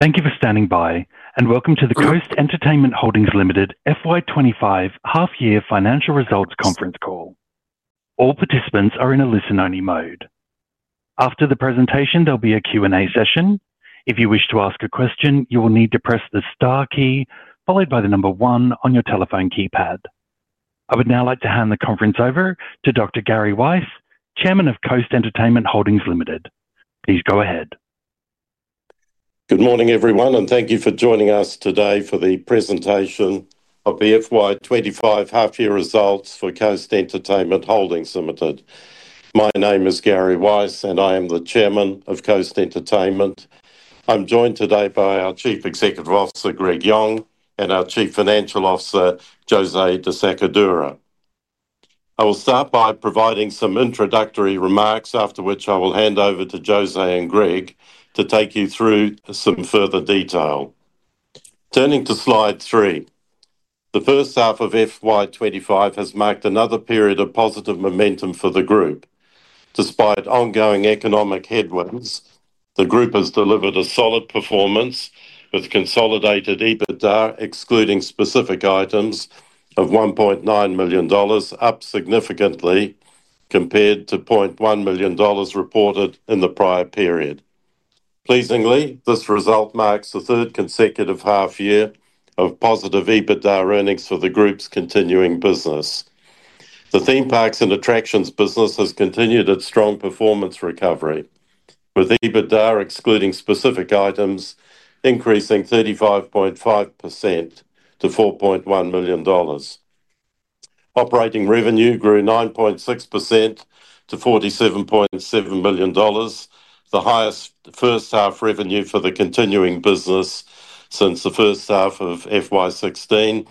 Thank you for standing by, and welcome to the Coast Entertainment Holdings Limited FY 2025 Half-Year Financial Results Conference Call. All participants are in a listen-only mode. After the presentation, there'll be a Q&A session. If you wish to ask a question, you will need to press the star key followed by the number one on your telephone keypad. I would now like to hand the conference over to Dr. Gary Weiss, Chairman of Coast Entertainment Holdings Limited. Please go ahead. Good morning, everyone, and thank you for joining us today for the presentation of the FY 2025 half-year results for Coast Entertainment Holdings Limited. My name is Gary Weiss, and I am the Chairman of Coast Entertainment. I'm joined today by our Chief Executive Officer, Greg Yong, and our Chief Financial Officer, José De Sacadura. I will start by providing some introductory remarks, after which I will hand over to José and Greg to take you through some further detail. Turning to slide three, the first half of FY 2025 has marked another period of positive momentum for the group. Despite ongoing economic headwinds, the group has delivered a solid performance with consolidated EBITDA excluding specific items of 1.9 million dollars, up significantly compared to 0.1 million dollars reported in the prior period. Pleasingly, this result marks the third consecutive half-year of positive EBITDA earnings for the group's continuing business. The thedme parks and attractions business has continued its strong performance recovery, with EBITDA excluding specific items increasing 35.5% to 4.1 million dollars. Operating revenue grew 9.6% to 47.7 million dollars, the highest first-half revenue for the continuing business since the first half of FY 2016,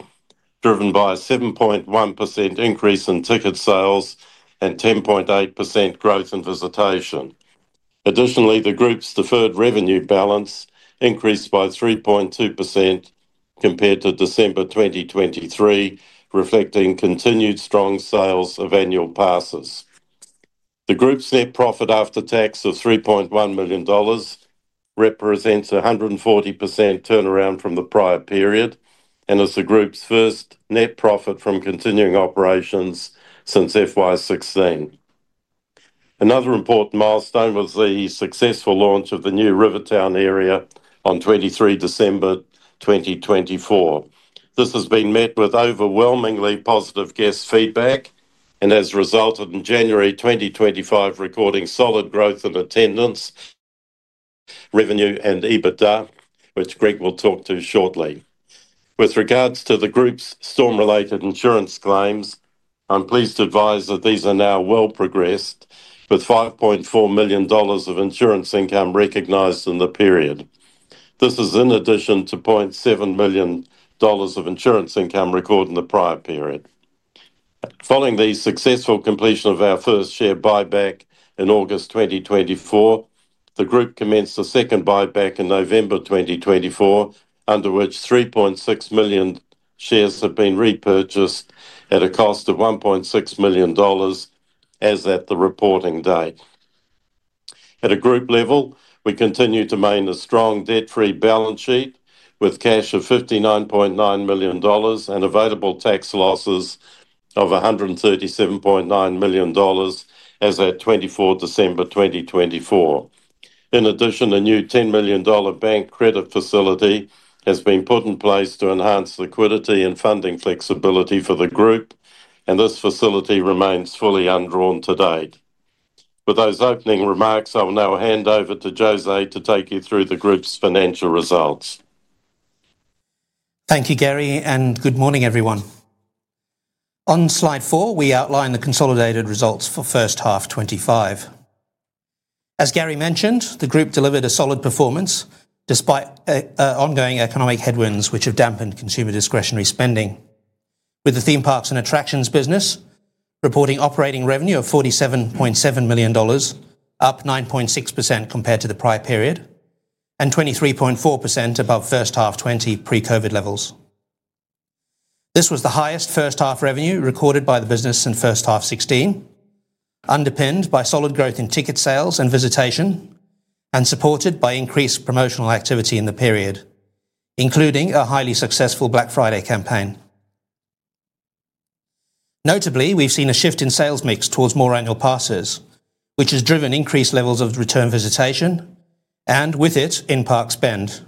driven by a 7.1% increase in ticket sales and 10.8% growth in visitation. Additionally, the group's deferred revenue balance increased by 3.2% compared to December 2023, reflecting continued strong sales of annual passes. The group's net profit after tax of 3.1 million dollars represents a 140% turnaround from the prior period and is the group's first net profit from continuing operations since FY 2016. Another important milestone was the successful launch of the new Rivertown area on 23 December 2024. This has been met with overwhelmingly positive guest feedback and has resulted in January 2025 recording solid growth in attendance, revenue, and EBITDA, which Greg will talk to shortly. With regards to the group's storm-related insurance claims, I'm pleased to advise that these are now well progressed, with 5.4 million dollars of insurance income recognized in the period. This is in addition to 0.7 million dollars of insurance income recorded in the prior period. Following the successful completion of our first share buyback in August 2024, the group commenced a second buyback in November 2024, under which 3.6 million shares have been repurchased at a cost of 1.6 million dollars, as at the reporting date. At a group level, we continue to maintain a strong debt-free balance sheet with cash of 59.9 million dollars and available tax losses of 137.9 million dollars, as at 24 December 2024. In addition, a new 10 million dollar bank credit facility has been put in place to enhance liquidity and funding flexibility for the group, and this facility remains fully undrawn to date. With those opening remarks, I will now hand over to José to take you through the group's financial results. Thank you, Gary, and good morning, everyone. On slide four, we outline the consolidated results for first half 2025. As Gary mentioned, the group delivered a solid performance despite ongoing economic headwinds, which have dampened consumer discretionary spending, with the theme parks and attractions business reporting operating revenue of 47.7 million dollars, up 9.6% compared to the prior period and 23.4% above first half 2020 pre-COVID levels. This was the highest first-half revenue recorded by the business in first half 2016, underpinned by solid growth in ticket sales and visitation, and supported by increased promotional activity in the period, including a highly successful Black Friday campaign. Notably, we have seen a shift in sales mix towards more annual passes, which has driven increased levels of return visitation and, with it, in-park spend.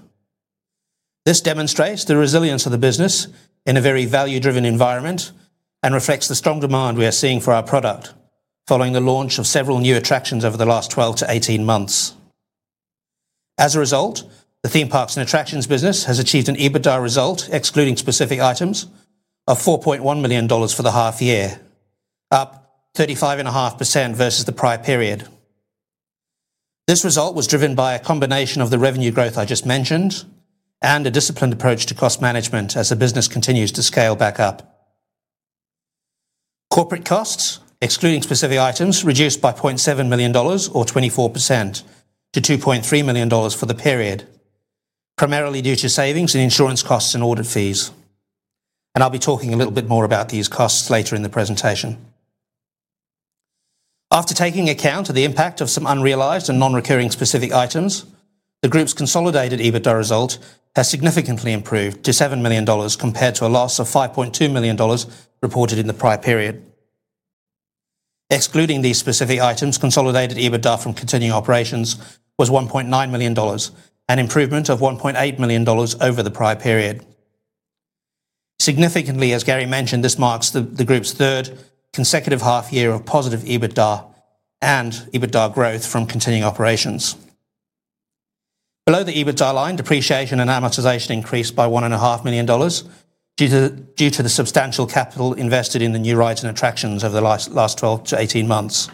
This demonstrates the resilience of the business in a very value-driven environment and reflects the strong demand we are seeing for our product following the launch of several new attractions over the last 12-18 months. As a result, the theme parks and attractions business has achieved an EBITDA result, excluding specific items, of 4.1 million dollars for the half-year, up 35.5% versus the prior period. This result was driven by a combination of the revenue growth I just mentioned and a disciplined approach to cost management as the business continues to scale back up. Corporate costs, excluding specific items, reduced by 0.7 million dollars, or 24%, to 2.3 million dollars for the period, primarily due to savings in insurance costs and audit fees. I will be talking a little bit more about these costs later in the presentation. After taking account of the impact of some unrealized and non-recurring specific items, the group's consolidated EBITDA result has significantly improved to 7 million dollars compared to a loss of 5.2 million dollars reported in the prior period. Excluding these specific items, consolidated EBITDA from continuing operations was 1.9 million dollars, an improvement of 1.8 million dollars over the prior period. Significantly, as Gary mentioned, this marks the group's third consecutive half-year of positive EBITDA and EBITDA growth from continuing operations. Below the EBITDA line, depreciation and amortization increased by 1.5 million dollars due to the substantial capital invested in the new rides and attractions over the last 12-18 months.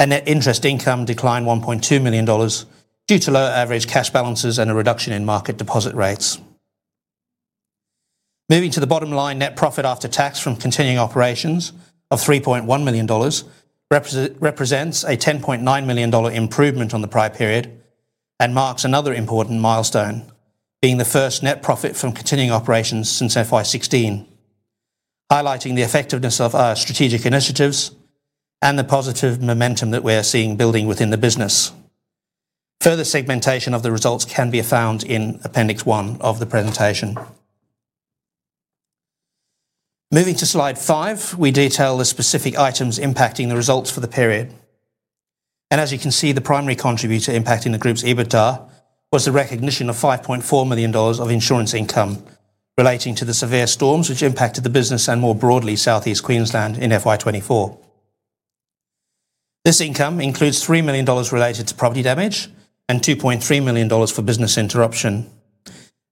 Net interest income declined 1.2 million dollars due to lower average cash balances and a reduction in market deposit rates. Moving to the bottom line, net profit after tax from continuing operations of 3.1 million dollars represents a 10.9 million dollar improvement on the prior period and marks another important milestone, being the first net profit from continuing operations since FY 2016, highlighting the effectiveness of our strategic initiatives and the positive momentum that we are seeing building within the business. Further segmentation of the results can be found in Appendix One of the presentation. Moving to slide five, we detail the specific items impacting the results for the period. As you can see, the primary contributor impacting the group's EBITDA was the recognition of 5.4 million dollars of insurance income relating to the severe storms which impacted the business and, more broadly, Southeast Queensland in FY 2024. This income includes 3 million dollars related to property damage and 2.3 million dollars for business interruption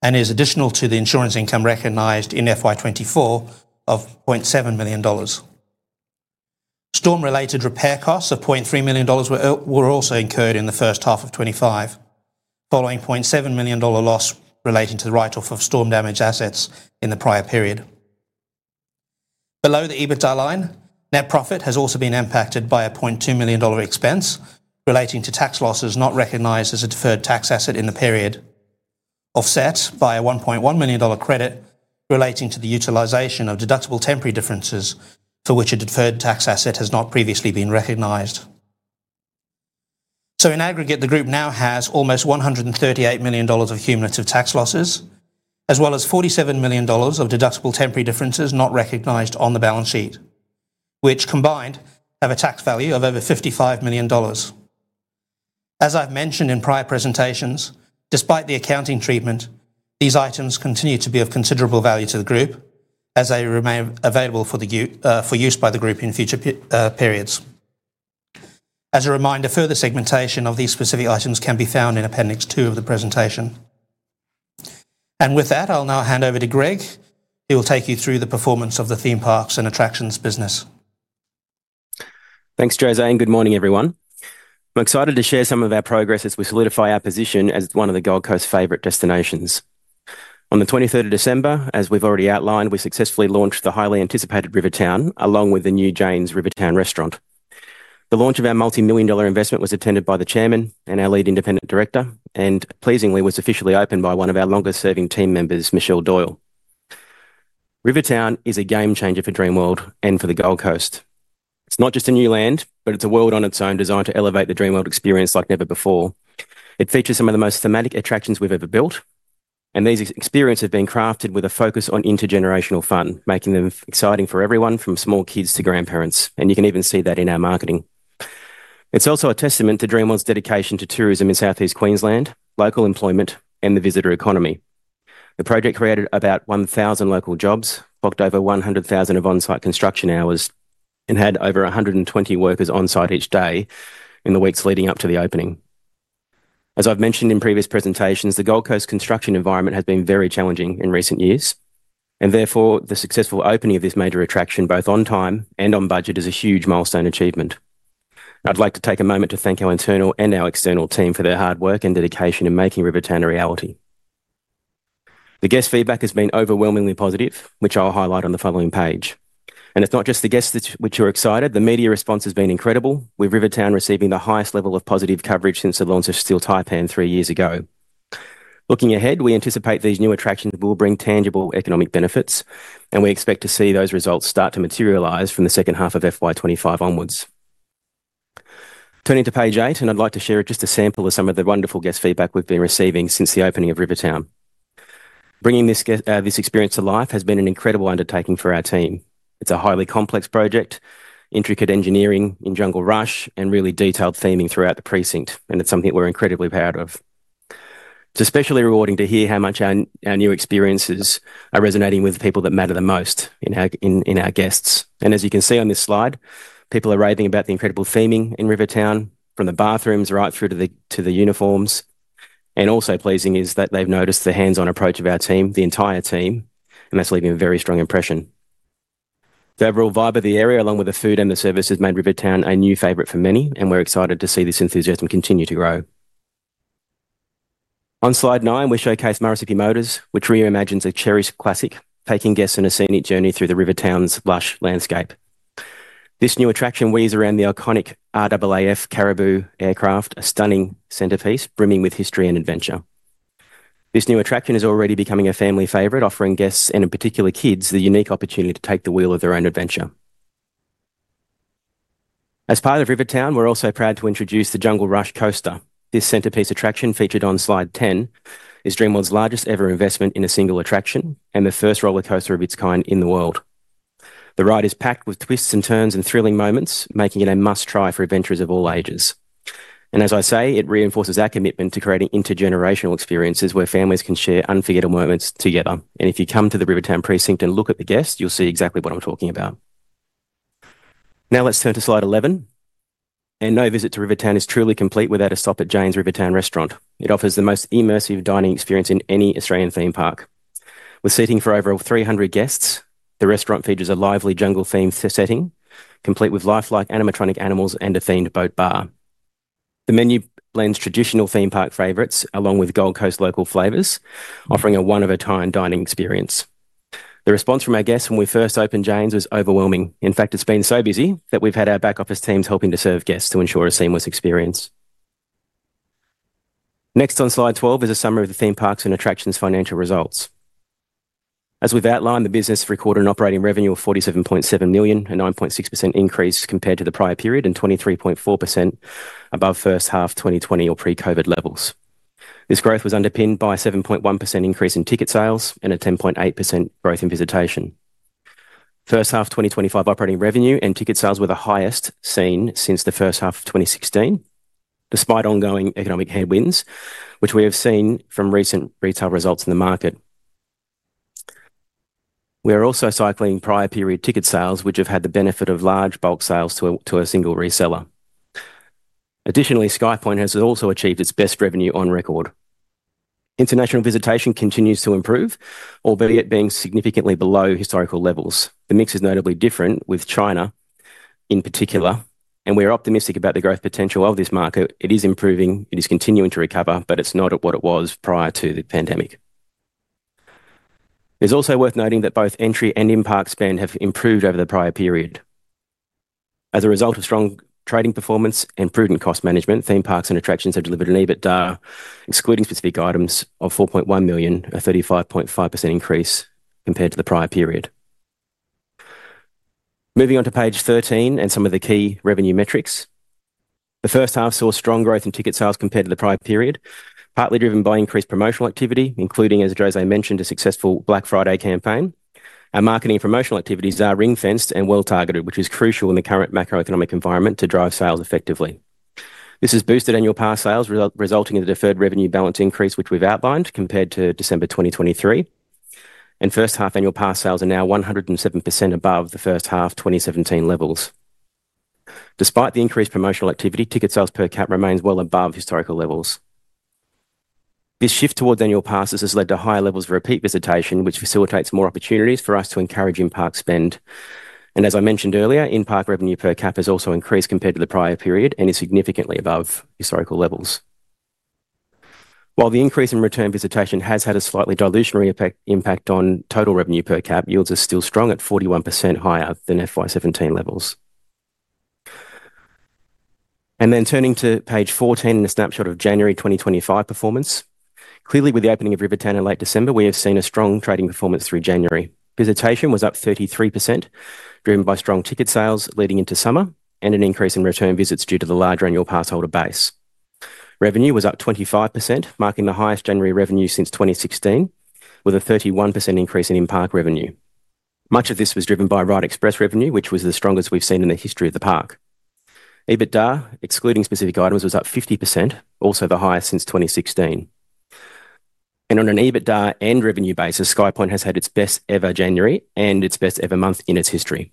and is additional to the insurance income recognized in FY 2024 of 0.7 million dollars. Storm-related repair costs of 0.3 million dollars were also incurred in the first half of 2025, following an 0.7 million dollar loss relating to the write-off of storm-damaged assets in the prior period. Below the EBITDA line, net profit has also been impacted by an 0.2 million dollar expense relating to tax losses not recognized as a deferred tax asset in the period, offset by an 1.1 million dollar credit relating to the utilization of deductible temporary differences for which a deferred tax asset has not previously been recognized. In aggregate, the group now has almost 138 million dollars of cumulative tax losses, as well as 47 million dollars of deductible temporary differences not recognized on the balance sheet, which combined have a tax value of over 55 million dollars. As I've mentioned in prior presentations, despite the accounting treatment, these items continue to be of considerable value to the group as they remain available for use by the group in future periods. As a reminder, further segmentation of these specific items can be found in Appendix Two of the presentation. With that, I'll now hand over to Greg, who will take you through the performance of the theme parks and attractions business. Thanks, José. Good morning, everyone. I'm excited to share some of our progress as we solidify our position as one of the Gold Coast's favorite destinations. On the 23rd of December, as we've already outlined, we successfully launched the highly anticipated Rivertown, along with the new Jane's Rivertown Restaurant. The launch of our multi-million-dollar investment was attended by the Chairman and our Lead Independent Director, and pleasingly was officially opened by one of our longest-serving team members, Michelle Doyle. Rivertown is a game changer for Dreamworld and for the Gold Coast. It's not just a new land, but it's a world on its own designed to elevate the Dreamworld experience like never before. It features some of the most thematic attractions we've ever built, and these experiences have been crafted with a focus on intergenerational fun, making them exciting for everyone from small kids to grandparents. You can even see that in our marketing. It's also a testament to Dreamworld's dedication to tourism in Southeast Queensland, local employment, and the visitor economy. The project created about 1,000 local jobs, booked over 100,000 of on-site construction hours, and had over 120 workers on-site each day in the weeks leading up to the opening. As I've mentioned in previous presentations, the Gold Coast construction environment has been very challenging in recent years, and therefore the successful opening of this major attraction, both on time and on budget, is a huge milestone achievement. I'd like to take a moment to thank our internal and our external team for their hard work and dedication in making Rivertown a reality. The guest feedback has been overwhelmingly positive, which I'll highlight on the following page. It's not just the guests which are excited. The media response has been incredible, with Rivertown receiving the highest level of positive coverage since the launch of Steel Taipan three years ago. Looking ahead, we anticipate these new attractions will bring tangible economic benefits, and we expect to see those results start to materialize from the second half of FY 2025 onwards. Turning to page eight, I'd like to share just a sample of some of the wonderful guest feedback we've been receiving since the opening of Rivertown. Bringing this experience to life has been an incredible undertaking for our team. It's a highly complex project, intricate engineering in Jungle Rush, and really detailed theming throughout the precinct, and it's something that we're incredibly proud of. It's especially rewarding to hear how much our new experiences are resonating with the people that matter the most in our guests. As you can see on this slide, people are raving about the incredible theming in Rivertown, from the bathrooms right through to the uniforms. Also pleasing is that they've noticed the hands-on approach of our team, the entire team, and that's leaving a very strong impression. The overall vibe of the area, along with the food and the services, made Rivertown a new favorite for many, and we're excited to see this enthusiasm continue to grow. On slide nine, we showcase Murrissippi Motors, which reimagines a cherished classic, taking guests on a scenic journey through Rivertown's lush landscape. This new attraction weaves around the iconic RAAF Caribou aircraft, a stunning centerpiece brimming with history and adventure. This new attraction is already becoming a family favorite, offering guests and in particular kids the unique opportunity to take the wheel of their own adventure. As part of Rivertown, we're also proud to introduce the Jungle Rush Coaster. This centerpiece attraction featured on slide 10 is Dreamworld's largest ever investment in a single attraction and the first roller coaster of its kind in the world. The ride is packed with twists and turns and thrilling moments, making it a must-try for adventurers of all ages. It reinforces our commitment to creating intergenerational experiences where families can share unforgettable moments together. If you come to the Rivertown precinct and look at the guests, you'll see exactly what I'm talking about. Now let's turn to slide 11. No visit to Rivertown is truly complete without a stop at Jane's Rivertown Restaurant. It offers the most immersive dining experience in any Australian theme park. With seating for over 300 guests, the restaurant features a lively jungle-themed setting, complete with lifelike animatronic animals and a themed boat bar. The menu blends traditional theme park favorites along with Gold Coast local flavors, offering a one-of-a-kind dining experience. The response from our guests when we first opened Jane's was overwhelming. In fact, it's been so busy that we've had our back office teams helping to serve guests to ensure a seamless experience. Next on slide 12 is a summary of the theme parks and attractions' financial results. As we've outlined, the business recorded an operating revenue of 47.7 million, a 9.6% increase compared to the prior period and 23.4% above first half 2020 or pre-COVID levels. This growth was underpinned by a 7.1% increase in ticket sales and a 10.8% growth in visitation. First half 2025 operating revenue and ticket sales were the highest seen since the first half of 2016, despite ongoing economic headwinds, which we have seen from recent retail results in the market. We are also cycling prior period ticket sales, which have had the benefit of large bulk sales to a single reseller. Additionally, SkyPoint has also achieved its best revenue on record. International visitation continues to improve, albeit being significantly below historical levels. The mix is notably different with China in particular, and we are optimistic about the growth potential of this market. It is improving. It is continuing to recover, but it's not at what it was prior to the pandemic. It's also worth noting that both entry and impact spend have improved over the prior period. As a result of strong trading performance and prudent cost management, theme parks and attractions have delivered an EBITDA excluding specific items of 4.1 million, a 35.5% increase compared to the prior period. Moving on to page 13 and some of the key revenue metrics. The first half saw strong growth in ticket sales compared to the prior period, partly driven by increased promotional activity, including, as José mentioned, a successful Black Friday campaign. Our marketing and promotional activities are ring-fenced and well-targeted, which is crucial in the current macroeconomic environment to drive sales effectively. This has boosted annual pass sales, resulting in the deferred revenue balance increase, which we have outlined compared to December 2023. First half annual pass sales are now 107% above the first half 2017 levels. Despite the increased promotional activity, ticket sales per cap remains well above historical levels. This shift towards annual passes has led to higher levels of repeat visitation, which facilitates more opportunities for us to encourage impact spend. As I mentioned earlier, impact revenue per cap has also increased compared to the prior period and is significantly above historical levels. While the increase in return visitation has had a slightly dilutionary impact on total revenue per cap, yields are still strong at 41% higher than FY 2017 levels. Turning to page 14 and a snapshot of January 2025 performance. Clearly, with the opening of Rivertown in late December, we have seen a strong trading performance through January. Visitation was up 33%, driven by strong ticket sales leading into summer and an increase in return visits due to the larger annual pass holder base. Revenue was up 25%, marking the highest January revenue since 2016, with a 31% increase in impact revenue. Much of this was driven by Ride Express revenue, which was the strongest we've seen in the history of the park. EBITDA, excluding specific items, was up 50%, also the highest since 2016. On an EBITDA and revenue basis, SkyPoint has had its best ever January and its best ever month in its history.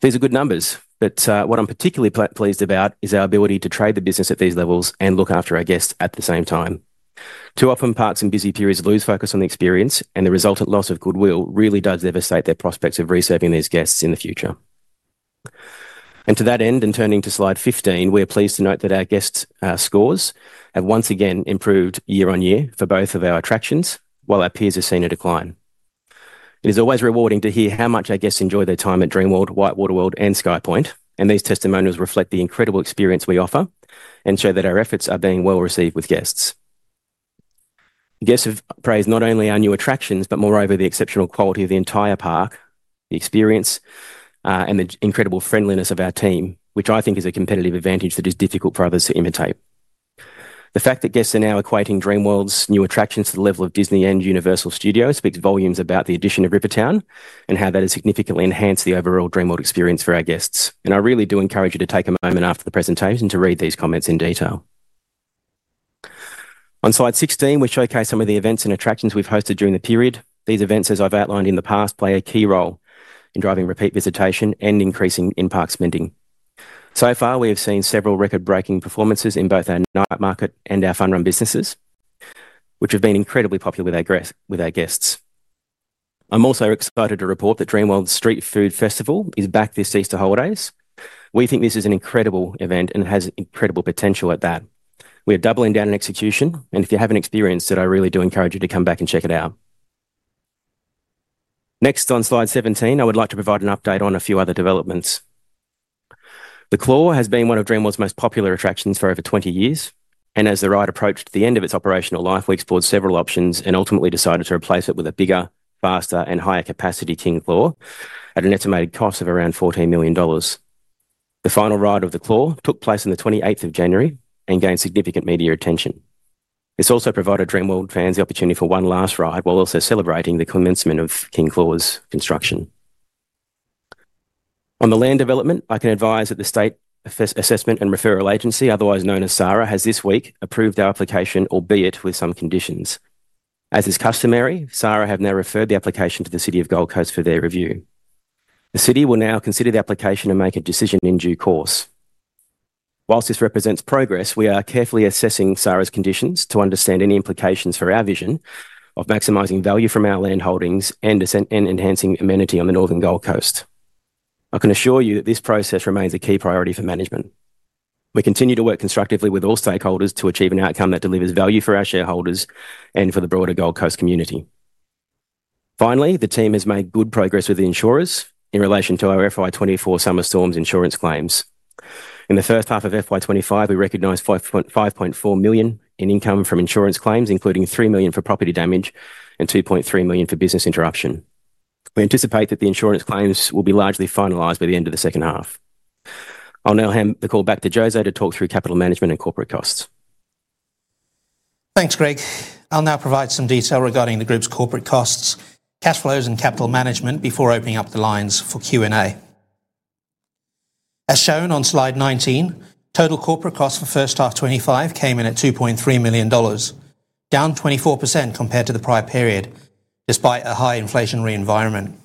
These are good numbers, but what I'm particularly pleased about is our ability to trade the business at these levels and look after our guests at the same time. Too often, parks in busy periods lose focus on the experience, and the resultant loss of goodwill really does devastate their prospects of reserving these guests in the future. To that end, and turning to slide 15, we are pleased to note that our guest scores have once again improved year on year for both of our attractions, while our peers have seen a decline. It is always rewarding to hear how much our guests enjoy their time at Dreamworld, WhiteWater World, and SkyPoint, and these testimonials reflect the incredible experience we offer and show that our efforts are being well received with guests. Guests have praised not only our new attractions, but moreover the exceptional quality of the entire park, the experience, and the incredible friendliness of our team, which I think is a competitive advantage that is difficult for others to imitate. The fact that guests are now equating Dreamworld's new attractions to the level of Disney and Universal Studios speaks volumes about the addition of Rivertown and how that has significantly enhanced the overall Dreamworld experience for our guests. I really do encourage you to take a moment after the presentation to read these comments in detail. On slide 16, we showcase some of the events and attractions we've hosted during the period. These events, as I've outlined in the past, play a key role in driving repeat visitation and increasing impact spending. We have seen several record-breaking performances in both our night market and our fun run businesses, which have been incredibly popular with our guests. I'm also excited to report that Dreamworld Street Food Festival is back this Easter holidays. We think this is an incredible event and has incredible potential at that. We are doubling down on execution, and if you haven't experienced it, I really do encourage you to come back and check it out. Next, on slide 17, I would like to provide an update on a few other developments. The Claw has been one of Dreamworld's most popular attractions for over 20 years, and as the ride approached the end of its operational life, we explored several options and ultimately decided to replace it with a bigger, faster, and higher capacity King Claw at an estimated cost of around 14 million dollars. The final ride of The Claw took place on the 28th of January and gained significant media attention. This also provided Dreamworld fans the opportunity for one last ride while also celebrating the commencement of King Claw's construction. On the land development, I can advise that the State Assessment and Referral Agency, otherwise known as SARA, has this week approved our application, albeit with some conditions. As is customary, SARA have now referred the application to the City of Gold Coast for their review. The city will now consider the application and make a decision in due course. Whilst this represents progress, we are carefully assessing SARA's conditions to understand any implications for our vision of maximizing value from our land holdings and enhancing amenity on the Northern Gold Coast. I can assure you that this process remains a key priority for management. We continue to work constructively with all stakeholders to achieve an outcome that delivers value for our shareholders and for the broader Gold Coast community. Finally, the team has made good progress with the insurers in relation to our FY 2024 Summer Storms insurance claims. In the first half of FY 2025, we recognized 5.4 million in income from insurance claims, including 3 million for property damage and 2.3 million for business interruption. We anticipate that the insurance claims will be largely finalized by the end of the second half. I'll now hand the call back to José to talk through capital management and corporate costs. Thanks, Greg. I'll now provide some detail regarding the group's corporate costs, cash flows, and capital management before opening up the lines for Q&A. As shown on slide 19, total corporate costs for first half 2025 came in at 2.3 million dollars, down 24% compared to the prior period, despite a high inflationary environment.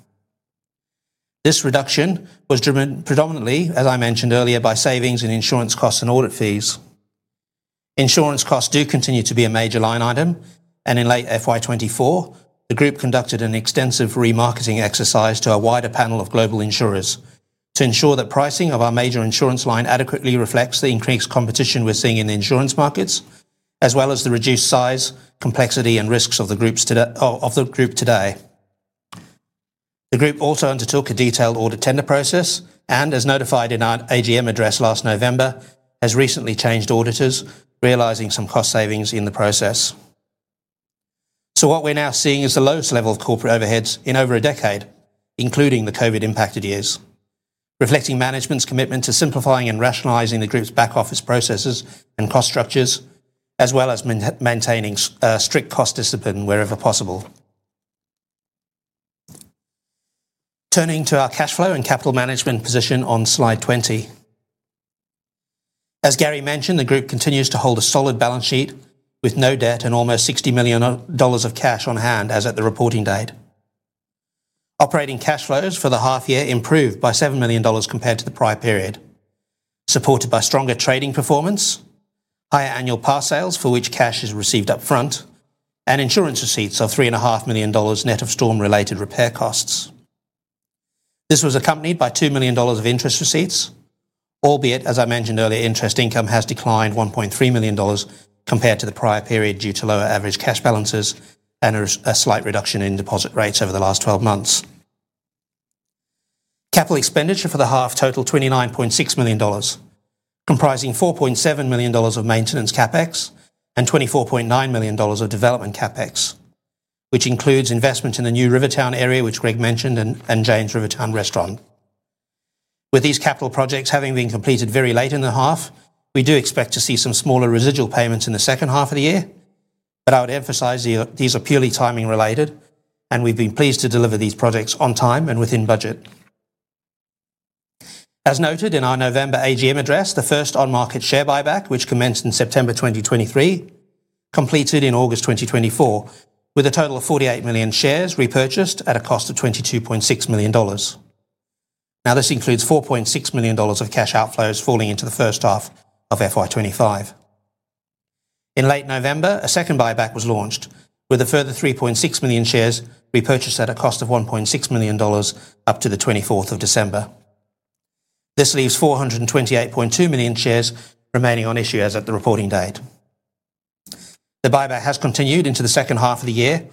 This reduction was driven predominantly, as I mentioned earlier, by savings in insurance costs and audit fees. Insurance costs do continue to be a major line item, and in late fiscal year 2024, the group conducted an extensive remarketing exercise to a wider panel of global insurers to ensure that pricing of our major insurance line adequately reflects the increased competition we're seeing in the insurance markets, as well as the reduced size, complexity, and risks of the group today. The group also undertook a detailed audit tender process and, as notified in our AGM address last November, has recently changed auditors, realizing some cost savings in the process. What we are now seeing is the lowest level of corporate overheads in over a decade, including the COVID-impacted years, reflecting management's commitment to simplifying and rationalizing the group's back office processes and cost structures, as well as maintaining strict cost discipline wherever possible. Turning to our cash flow and capital management position on slide 20. As Gary mentioned, the group continues to hold a solid balance sheet with no debt and almost 60 million dollars of cash on hand, as at the reporting date. Operating cash flows for the half year improved by AUD 7 million compared to the prior period, supported by stronger trading performance, higher annual pass sales for which cash is received upfront, and insurance receipts of 3.5 million dollars net of storm-related repair costs. This was accompanied by 2 million dollars of interest receipts, albeit, as I mentioned earlier, interest income has declined 1.3 million dollars compared to the prior period due to lower average cash balances and a slight reduction in deposit rates over the last 12 months. Capital expenditure for the half totaled 29.6 million dollars, comprising 4.7 million dollars of maintenance CapEx and 24.9 million dollars of development CapEx, which includes investment in the new Rivertown area, which Greg mentioned, and Jane's Rivertown Restaurant. With these capital projects having been completed very late in the half, we do expect to see some smaller residual payments in the second half of the year, but I would emphasize these are purely timing-related, and we've been pleased to deliver these projects on time and within budget. As noted in our November AGM address, the first on-market share buyback, which commenced in September 2023, completed in August 2024, with a total of 48 million shares repurchased at a cost of 22.6 million dollars. Now, this includes 4.6 million dollars of cash outflows falling into the first half of FY 2025. In late November, a second buyback was launched, with a further 3.6 million shares repurchased at a cost of 1.6 million dollars up to the 24th of December. This leaves 428.2 million shares remaining on issue as at the reporting date. The buyback has continued into the second half of the year,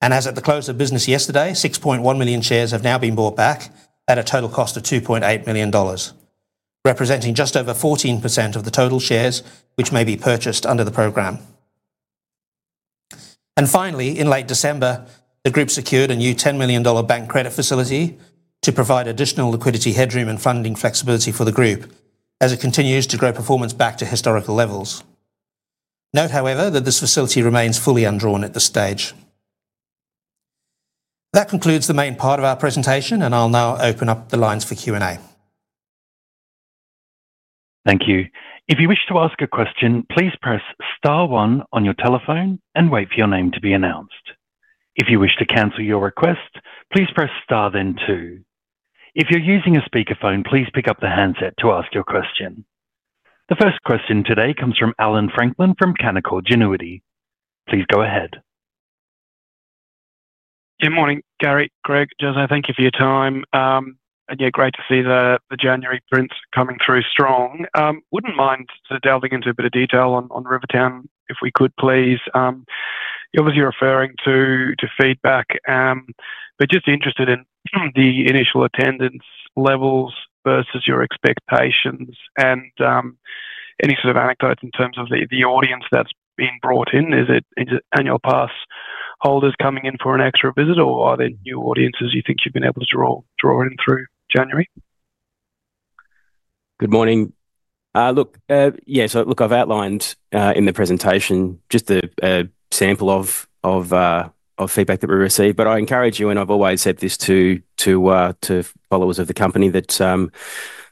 and as at the close of business yesterday, 6.1 million shares have now been bought back at a total cost of 2.8 million dollars, representing just over 14% of the total shares which may be purchased under the program. Finally, in late December, the group secured a new 10 million dollar bank credit facility to provide additional liquidity headroom and funding flexibility for the group, as it continues to grow performance back to historical levels. Note, however, that this facility remains fully undrawn at this stage. That concludes the main part of our presentation, and I'll now open up the lines for Q&A. Thank you. If you wish to ask a question, please press star one on your telephone and wait for your name to be announced. If you wish to cancel your request, please press star then two. If you're using a speakerphone, please pick up the handset to ask your question. The first question today comes from Allan Franklin from Canaccord Genuity. Please go ahead. Good morning, Gary, Greg, José. Thank you for your time. Yeah, great to see the January prints coming through strong. Wouldn't mind delving into a bit of detail on Rivertown if we could, please. You're obviously referring to feedback, but just interested in the initial attendance levels versus your expectations and any sort of anecdotes in terms of the audience that's been brought in. Is it annual pass holders coming in for an extra visit, or are there new audiences you think you've been able to draw in through January? Good morning. Look, yeah, so look, I've outlined in the presentation just a sample of feedback that we received, but I encourage you, and I've always said this to followers of the company, that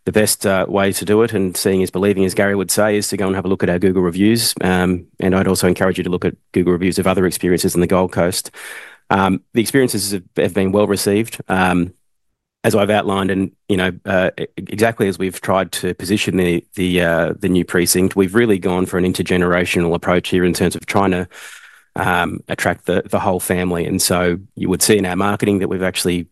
the best way to do it and seeing is believing, as Gary would say, is to go and have a look at our Google reviews. I'd also encourage you to look at Google reviews of other experiences in the Gold Coast. The experiences have been well received. As I've outlined, and exactly as we've tried to position the new precinct, we've really gone for an intergenerational approach here in terms of trying to attract the whole family. You would see in our marketing that we've actually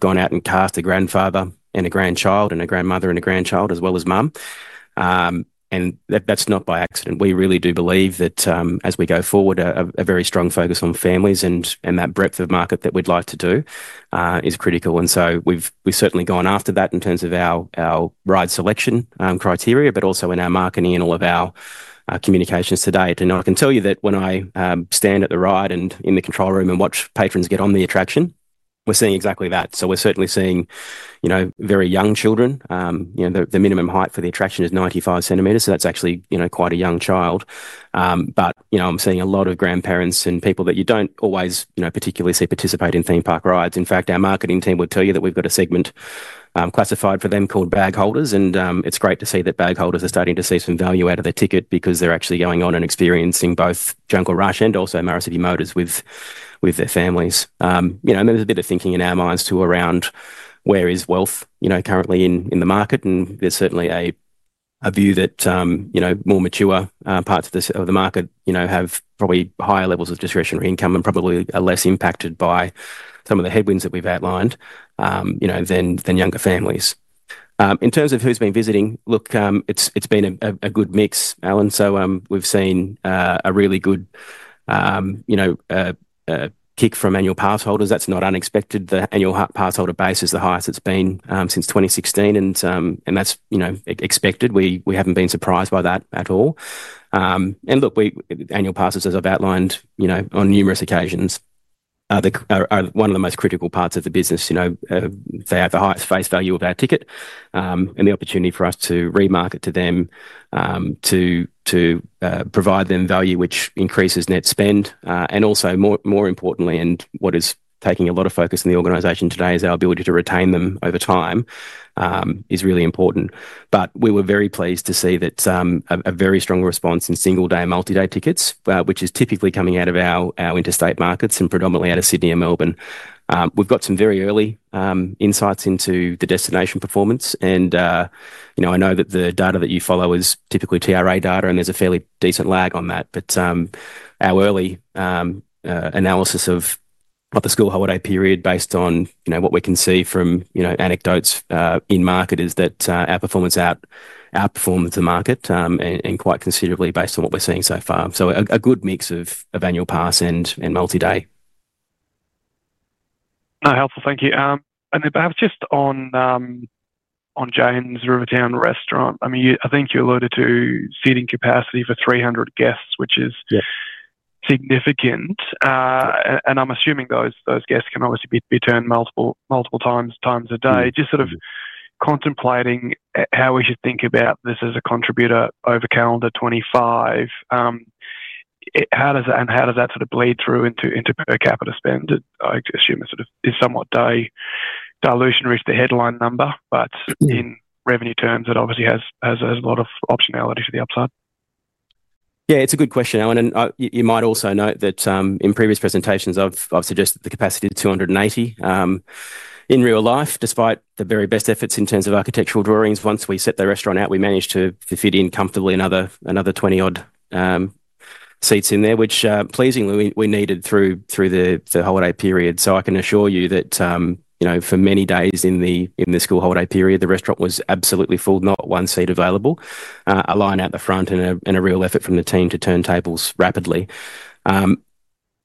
gone out and cast a grandfather and a grandchild and a grandmother and a grandchild, as well as mum. That's not by accident. We really do believe that as we go forward, a very strong focus on families and that breadth of market that we'd like to do is critical. We have certainly gone after that in terms of our ride selection criteria, but also in our marketing and all of our communications today. I can tell you that when I stand at the ride and in the control room and watch patrons get on the attraction, we're seeing exactly that. We are certainly seeing very young children. The minimum height for the attraction is 95 centimeters, so that is actually quite a young child. I am seeing a lot of grandparents and people that you do not always particularly see participate in theme park rides. In fact, our marketing team would tell you that we've got a segment classified for them called bag holders, and it's great to see that bag holders are starting to see some value out of their ticket because they're actually going on and experiencing both Jungle Rush and also Murrissippi Motors with their families. There's a bit of thinking in our minds too around where is wealth currently in the market, and there's certainly a view that more mature parts of the market have probably higher levels of discretionary income and probably are less impacted by some of the headwinds that we've outlined than younger families. In terms of who's been visiting, look, it's been a good mix, Allan. We've seen a really good kick from annual pass holders. That's not unexpected. The annual pass holder base is the highest it's been since 2016, and that's expected. We haven't been surprised by that at all. Look, annual passes, as I've outlined on numerous occasions, are one of the most critical parts of the business. They have the highest face value of our ticket and the opportunity for us to remarket to them to provide them value, which increases net spend. Also, more importantly, and what is taking a lot of focus in the organization today, is our ability to retain them over time is really important. We were very pleased to see that a very strong response in single-day, multi-day tickets, which is typically coming out of our interstate markets and predominantly out of Sydney and Melbourne. We've got some very early insights into the destination performance, and I know that the data that you follow is typically TRA data, and there's a fairly decent lag on that. Our early analysis of the school holiday period, based on what we can see from anecdotes in market, is that our performance outperformed the market and quite considerably based on what we're seeing so far. A good mix of annual pass and multi-day. Helpful. Thank you. Perhaps just on Jane's Rivertown Restaurant, I mean, I think you alluded to seating capacity for 300 guests, which is significant. I'm assuming those guests can obviously be turned multiple times a day. Just sort of contemplating how we should think about this as a contributor over calendar 2025, and how does that sort of bleed through into per capita spend? I assume it's somewhat dilutionary to the headline number, but in revenue terms, it obviously has a lot of optionality to the upside. Yeah, it's a good question, Allan. You might also note that in previous presentations, I've suggested the capacity of 280. In real life, despite the very best efforts in terms of architectural drawings, once we set the restaurant out, we managed to fit in comfortably another 20-odd seats in there, which pleasingly we needed through the holiday period. I can assure you that for many days in the school holiday period, the restaurant was absolutely full, not one seat available, a line out the front, and a real effort from the team to turn tables rapidly.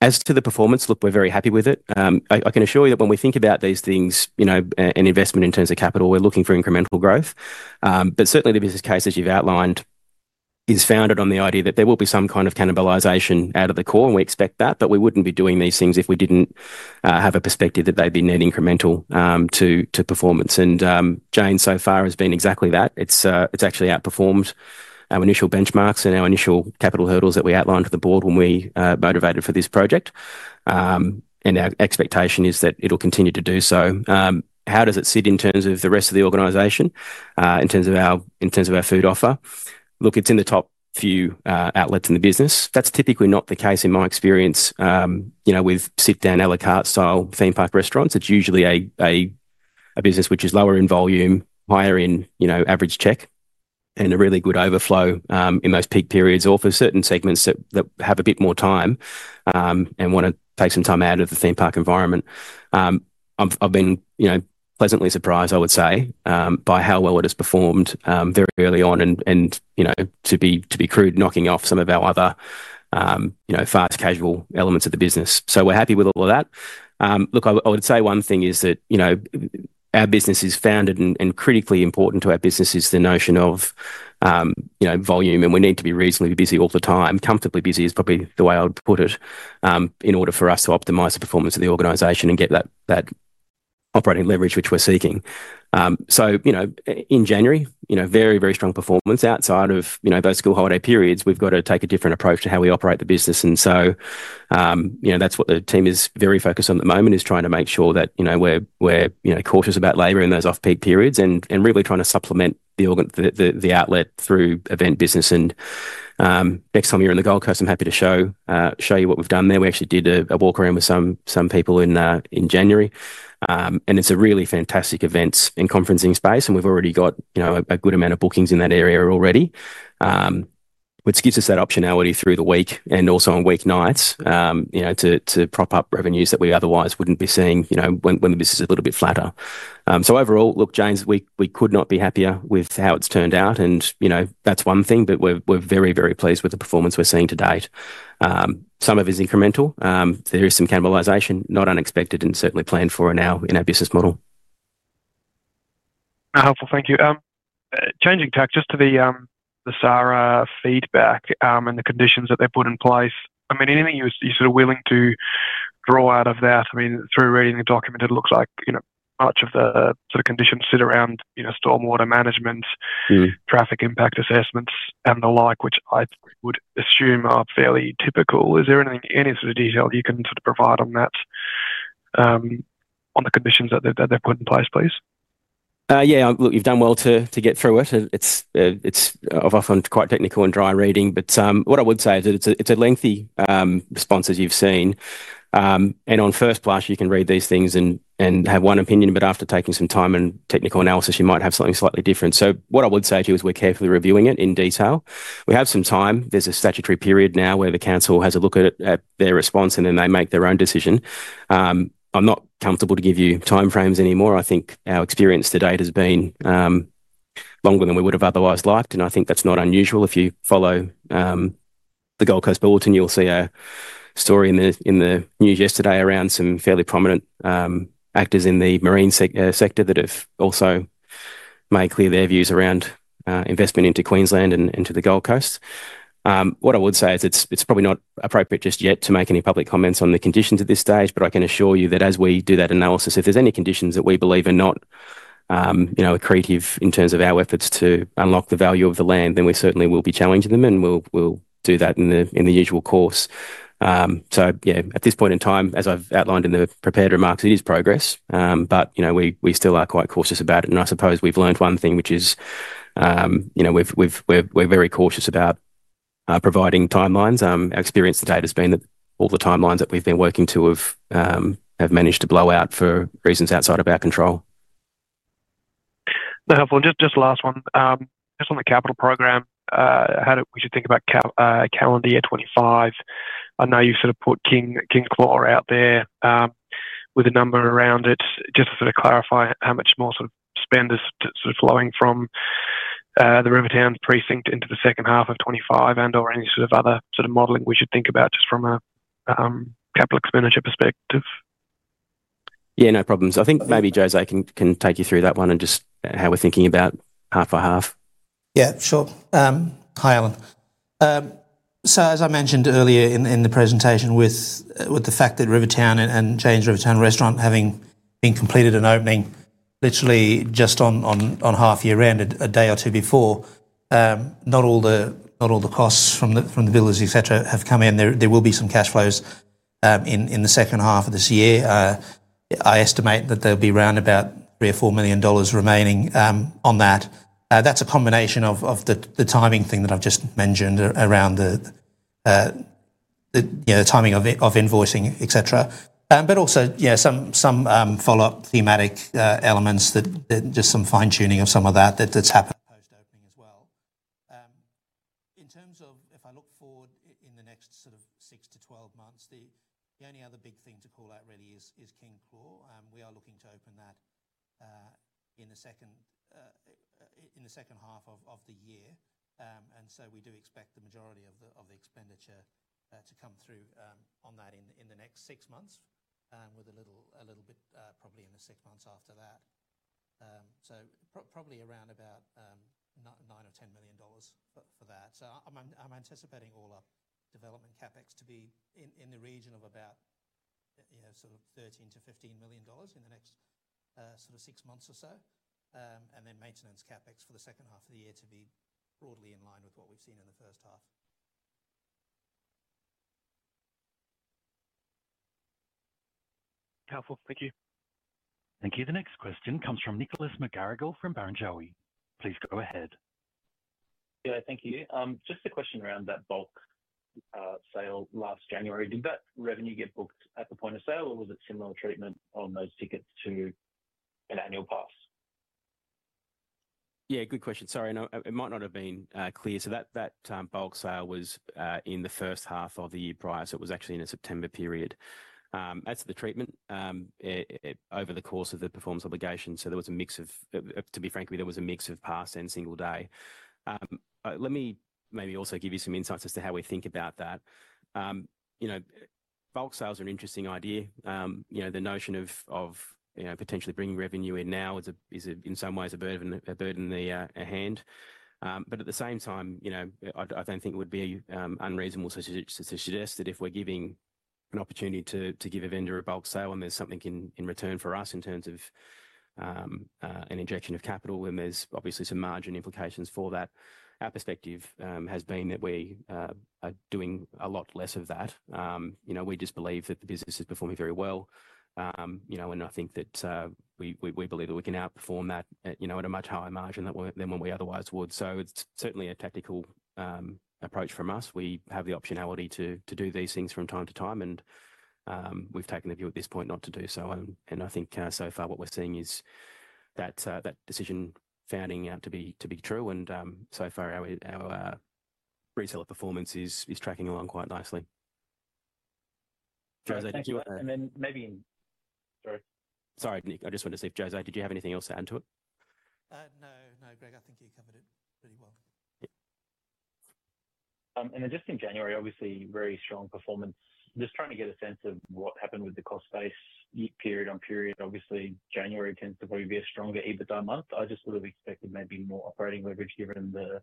As to the performance, look, we're very happy with it. I can assure you that when we think about these things and investment in terms of capital, we're looking for incremental growth. Certainly, the business case, as you've outlined, is founded on the idea that there will be some kind of cannibalization out of the core, and we expect that, but we wouldn't be doing these things if we didn't have a perspective that they'd be net incremental to performance. Jane's so far has been exactly that. It's actually outperformed our initial benchmarks and our initial capital hurdles that we outlined for the board when we motivated for this project. Our expectation is that it'll continue to do so. How does it sit in terms of the rest of the organization, in terms of our food offer? Look, it's in the top few outlets in the business. That's typically not the case in my experience with sit-down à la carte style theme park restaurants. It's usually a business which is lower in volume, higher in average check, and a really good overflow in those peak periods or for certain segments that have a bit more time and want to take some time out of the theme park environment. I've been pleasantly surprised, I would say, by how well it has performed very early on and to be crude knocking off some of our other fast casual elements of the business. We are happy with all of that. I would say one thing is that our business is founded and critically important to our business is the notion of volume, and we need to be reasonably busy all the time. Comfortably busy is probably the way I would put it in order for us to optimize the performance of the organization and get that operating leverage which we're seeking. In January, very, very strong performance. Outside of those school holiday periods, we've got to take a different approach to how we operate the business. That's what the team is very focused on at the moment, is trying to make sure that we're cautious about labor in those off-peak periods and really trying to supplement the outlet through event business. Next time you're in the Gold Coast, I'm happy to show you what we've done there. We actually did a walk around with some people in January, and it's a really fantastic events and conferencing space, and we've already got a good amount of bookings in that area already, which gives us that optionality through the week and also on weeknights to prop up revenues that we otherwise wouldn't be seeing when the business is a little bit flatter. Overall, look, Jane, we could not be happier with how it's turned out, and that's one thing, but we're very, very pleased with the performance we're seeing to date. Some of it is incremental. There is some cannibalization, not unexpected and certainly planned for now in our business model. Helpful. Thank you. Changing tack just to the SARA feedback and the conditions that they've put in place. I mean, anything you're sort of willing to draw out of that? I mean, through reading the document, it looks like much of the sort of conditions sit around stormwater management, traffic impact assessments, and the like, which I would assume are fairly typical. Is there any sort of detail you can sort of provide on that, on the conditions that they've put in place, please? Yeah. Look, you've done well to get through it. It's often quite technical and dry reading, but what I would say is it's a lengthy response, as you've seen. On first blush, you can read these things and have one opinion, but after taking some time and technical analysis, you might have something slightly different. What I would say to you is we're carefully reviewing it in detail. We have some time. There's a statutory period now where the council has a look at their response, and then they make their own decision. I'm not comfortable to give you timeframes anymore. I think our experience to date has been longer than we would have otherwise liked, and I think that's not unusual. If you follow the Gold Coast Bulletin, you'll see a story in the news yesterday around some fairly prominent actors in the marine sector that have also made clear their views around investment into Queensland and into the Gold Coast. What I would say is it's probably not appropriate just yet to make any public comments on the conditions at this stage, but I can assure you that as we do that analysis, if there's any conditions that we believe are not creative in terms of our efforts to unlock the value of the land, then we certainly will be challenging them, and we'll do that in the usual course. Yeah, at this point in time, as I've outlined in the prepared remarks, it is progress, but we still are quite cautious about it. I suppose we've learned one thing, which is we're very cautious about providing timelines. Our experience to date has been that all the timelines that we've been working to have managed to blow out for reasons outside of our control. Helpful. Just last one. Just on the capital program, how would you think about calendar year 2025? I know you've sort of put King Claw out there with a number around it. Just to sort of clarify, how much more sort of spend is flowing from the Rivertown precinct into the second half of 2025 and/or any sort of other sort of modeling we should think about just from a capital expenditure perspective? Yeah, no problem. I think maybe José can take you through that one and just how we're thinking about half by half. Yeah, sure. Hi, Allan. As I mentioned earlier in the presentation, with the fact that Rivertown and Jane's Rivertown Restaurant having been completed and opening literally just on half year round, a day or two before, not all the costs from the villas, etc., have come in. There will be some cash flows in the second half of this year. I estimate that there will be around 3 million-4 million dollars remaining on that. That is a combination of the timing thing that I have just mentioned around the timing of invoicing, etc., but also some follow-up thematic elements, just some fine-tuning of some of that that has happened post-opening as well. In terms of if I look forward in the next sort of six to 12 months, the only other big thing to call out really is King Claw. We are looking to open that in the second half of the year, and we do expect the majority of the expenditure to come through on that in the next six months, with a little bit probably in the six months after that. Probably around 9 million-10 million dollars for that. I'm anticipating all our development CapEx to be in the region of about 13 million-15 million dollars in the next six months or so, and then maintenance CapEx for the second half of the year to be broadly in line with what we've seen in the first half. Helpful. Thank you. Thank you. The next question comes from Nicholas McGarrigle from Barrenjoey. Please go ahead. Thank you. Just a question around that bulk sale last January. Did that revenue get booked at the point of sale, or was it similar treatment on those tickets to an annual pass? Yeah, good question. Sorry, it might not have been clear. That bulk sale was in the first half of the year prior. It was actually in a September period. As for the treatment, over the course of the performance obligation, there was a mix of, to be frank with you, there was a mix of pass and single day. Let me maybe also give you some insights as to how we think about that. Bulk sales are an interesting idea. The notion of potentially bringing revenue in now is, in some ways, a burden in the hand. At the same time, I don't think it would be unreasonable to suggest that if we're giving an opportunity to give a vendor a bulk sale and there's something in return for us in terms of an injection of capital, then there's obviously some margin implications for that. Our perspective has been that we are doing a lot less of that. We just believe that the business is performing very well, and I think that we believe that we can outperform that at a much higher margin than what we otherwise would. It is certainly a tactical approach from us. We have the optionality to do these things from time to time, and we've taken the view at this point not to do so. I think so far what we're seeing is that decision founding out to be true, and so far our reseller performance is tracking along quite nicely. José, thank you. Maybe in—sorry. Sorry, Nick. I just wanted to see if José, did you have anything else to add to it? No, no, Greg, I think you covered it pretty well. Just in January, obviously, very strong performance. Just trying to get a sense of what happened with the cost space period on period. Obviously, January tends to probably be a stronger EBITDA month. I just sort of expected maybe more operating leverage given the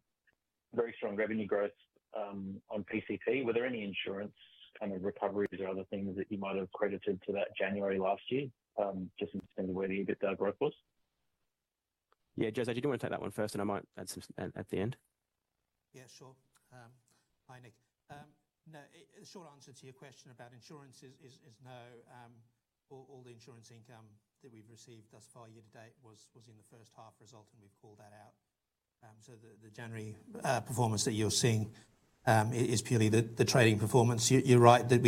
very strong revenue growth on PCP. Were there any insurance kind of recoveries or other things that you might have credited to that January last year, just in terms of where the EBITDA growth was? Yeah, José, did you want to take that one first, and I might add some at the end? Yeah, sure. Hi, Nick. No, short answer to your question about insurance is no. All the insurance income that we've received thus far year to date was in the first half result, and we've called that out. The January performance that you're seeing is purely the trading performance. You're right that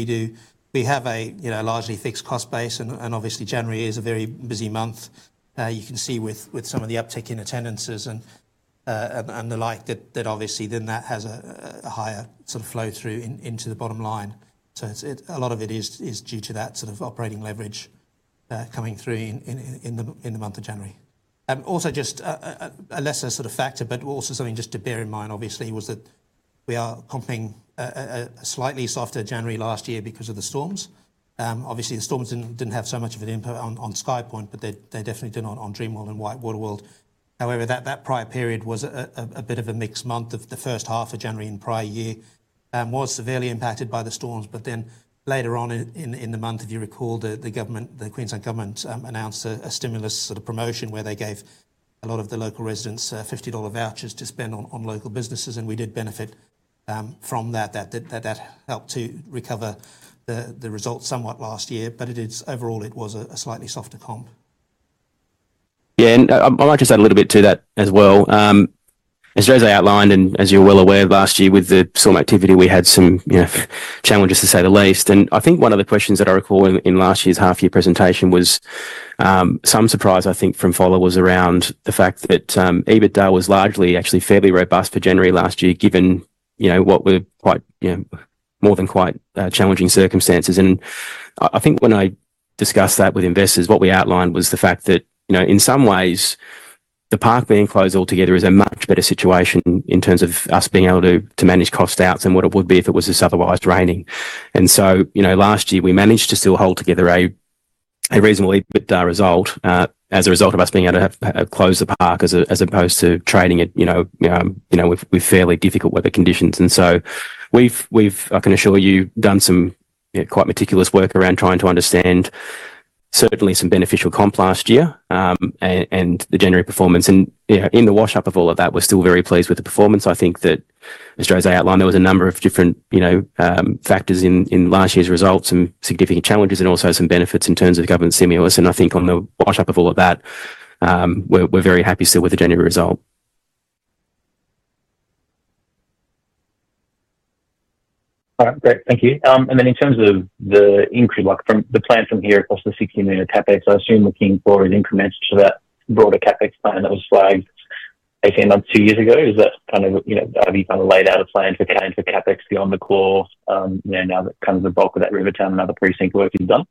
we have a largely fixed cost base, and obviously, January is a very busy month. You can see with some of the uptick in attendances and the like that obviously then that has a higher sort of flow through into the bottom line. A lot of it is due to that sort of operating leverage coming through in the month of January. Also, just a lesser sort of factor, but also something just to bear in mind, obviously, was that we are accompanying a slightly softer January last year because of the storms. Obviously, the storms did not have so much of an impact on SkyPoint, but they definitely did on Dreamworld and WhiteWater World. However, that prior period was a bit of a mixed month. The first half of January in the prior year was severely impacted by the storms, but then later on in the month, if you recall, the Queensland government announced a stimulus sort of promotion where they gave a lot of the local residents 50 dollar vouchers to spend on local businesses, and we did benefit from that. That helped to recover the result somewhat last year, but overall, it was a slightly softer comp. Yeah, and I might just add a little bit to that as well. As José outlined and as you're well aware of last year, with the storm activity, we had some challenges, to say the least. I think one of the questions that I recall in last year's half-year presentation was some surprise, I think, from followers around the fact that EBITDA was largely actually fairly robust for January last year given what were more than quite challenging circumstances. I think when I discussed that with investors, what we outlined was the fact that in some ways, the park being closed altogether is a much better situation in terms of us being able to manage cost out than what it would be if it was just otherwise raining. Last year, we managed to still hold together a reasonable EBITDA result as a result of us being able to close the park as opposed to trading it with fairly difficult weather conditions. We, I can assure you, have done some quite meticulous work around trying to understand certainly some beneficial comp last year and the January performance. In the wash-up of all of that, we're still very pleased with the performance. I think that, as José outlined, there was a number of different factors in last year's results, some significant challenges, and also some benefits in terms of government stimulus. I think on the wash-up of all of that, we're very happy still with the January result. All right. Great. Thank you. In terms of the plan from here across the six-year CapEx, I assume looking forward, increments to that broader CapEx plan that was flagged 18 months, two years ago, is that kind of have you kind of laid out a plan for CapEx beyond The Claw now that kind of the bulk of that Rivertown and other precinct work is done?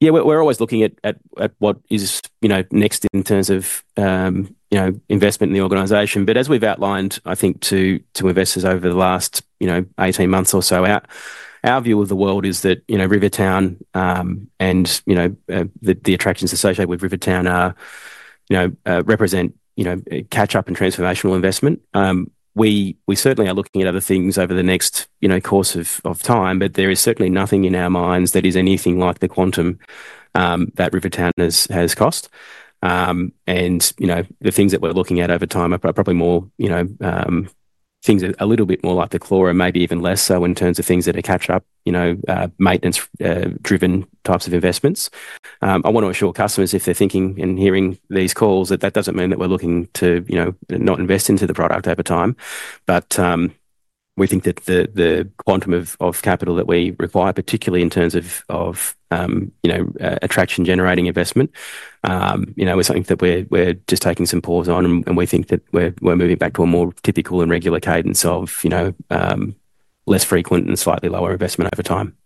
Yeah, we're always looking at what is next in terms of investment in the organization. As we've outlined, I think, to investors over the last 18 months or so, our view of the world is that Rivertown and the attractions associated with Rivertown represent catch-up and transformational investment. We certainly are looking at other things over the next course of time, but there is certainly nothing in our minds that is anything like the quantum that Rivertown has cost. The things that we're looking at over time are probably more things a little bit more like The Claw and maybe even less so in terms of things that are catch-up, maintenance-driven types of investments. I want to assure customers, if they're thinking and hearing these calls, that that doesn't mean that we're looking to not invest into the product over time. We think that the quantum of capital that we require, particularly in terms of attraction-generating investment, is something that we're just taking some pause on, and we think that we're moving back to a more typical and regular cadence of less frequent and slightly lower investment over time.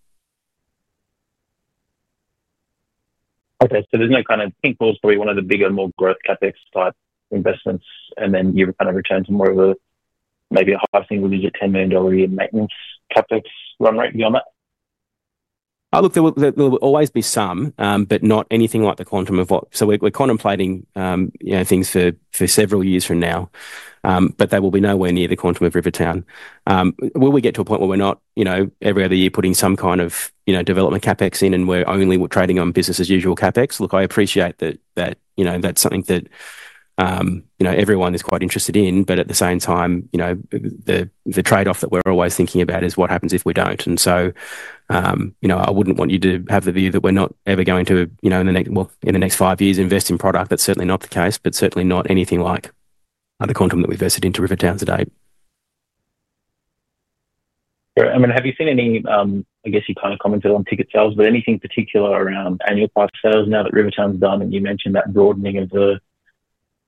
Okay. There's no kind of King Claw, it's probably one of the bigger, more growth CapEx type investments, and then you kind of return to more of a maybe a high single-digit 10 million dollar a year maintenance CapEx run rate beyond that. Look, there will always be some, but not anything like the quantum of what. We're contemplating things for several years from now, but they will be nowhere near the quantum of Rivertown. Will we get to a point where we're not every other year putting some kind of development CapEx in and we're only trading on business-as-usual CapEx? Look, I appreciate that that's something that everyone is quite interested in, but at the same time, the trade-off that we're always thinking about is what happens if we don't. I wouldn't want you to have the view that we're not ever going to, in the next five years, invest in product. That's certainly not the case, but certainly not anything like the quantum that we've vested into Rivertown today. I mean, have you seen any, I guess you kind of commented on ticket sales, but anything particular around annual pass sales now that Rivertown's done? You mentioned that broadening of the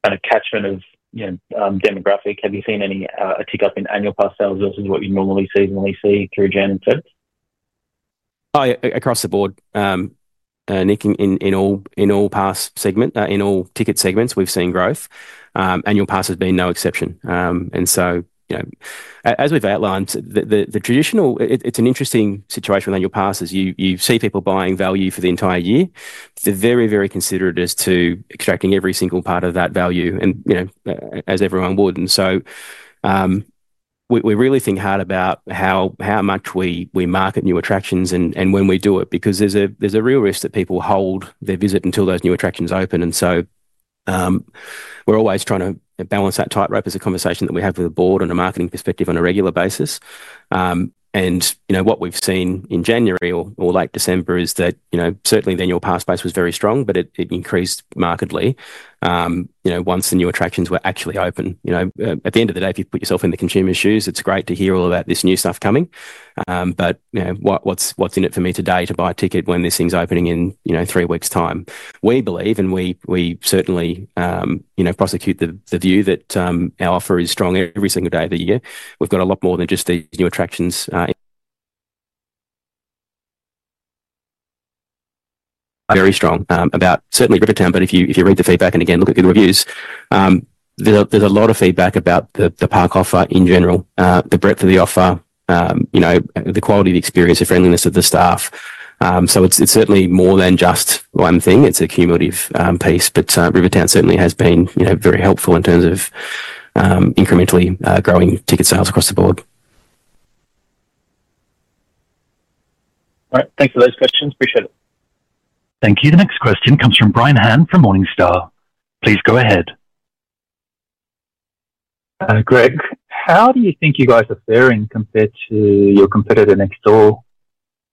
kind of catchment of demographic. Have you seen a tick up in annual pass sales versus what you normally seasonally see through January and February? Across the board, Nick, in all pass segments, in all ticket segments, we've seen growth. Annual pass has been no exception. As we've outlined, the traditional, it's an interesting situation with annual passes. You see people buying value for the entire year. They're very, very considerate as to extracting every single part of that value, as everyone would. We really think hard about how much we market new attractions and when we do it, because there's a real risk that people hold their visit until those new attractions open. We're always trying to balance that tightrope as a conversation that we have with the board on a marketing perspective on a regular basis. What we've seen in January or late December is that certainly the annual pass space was very strong, but it increased markedly once the new attractions were actually open. At the end of the day, if you put yourself in the consumer's shoes, it's great to hear all about this new stuff coming, but what's in it for me today to buy a ticket when this thing's opening in three weeks' time? We believe, and we certainly prosecute the view that our offer is strong every single day of the year. We've got a lot more than just these new attractions. Very strong about certainly Rivertown, but if you read the feedback and again, look at the reviews, there's a lot of feedback about the park offer in general, the breadth of the offer, the quality of the experience, the friendliness of the staff. It is certainly more than just one thing. It's a cumulative piece, but Rivertown certainly has been very helpful in terms of incrementally growing ticket sales across the board. All right. Thanks for those questions. Appreciate it. Thank you. The next question comes from Brian Han from Morningstar. Please go ahead. Greg, how do you think you guys are faring compared to your competitor next door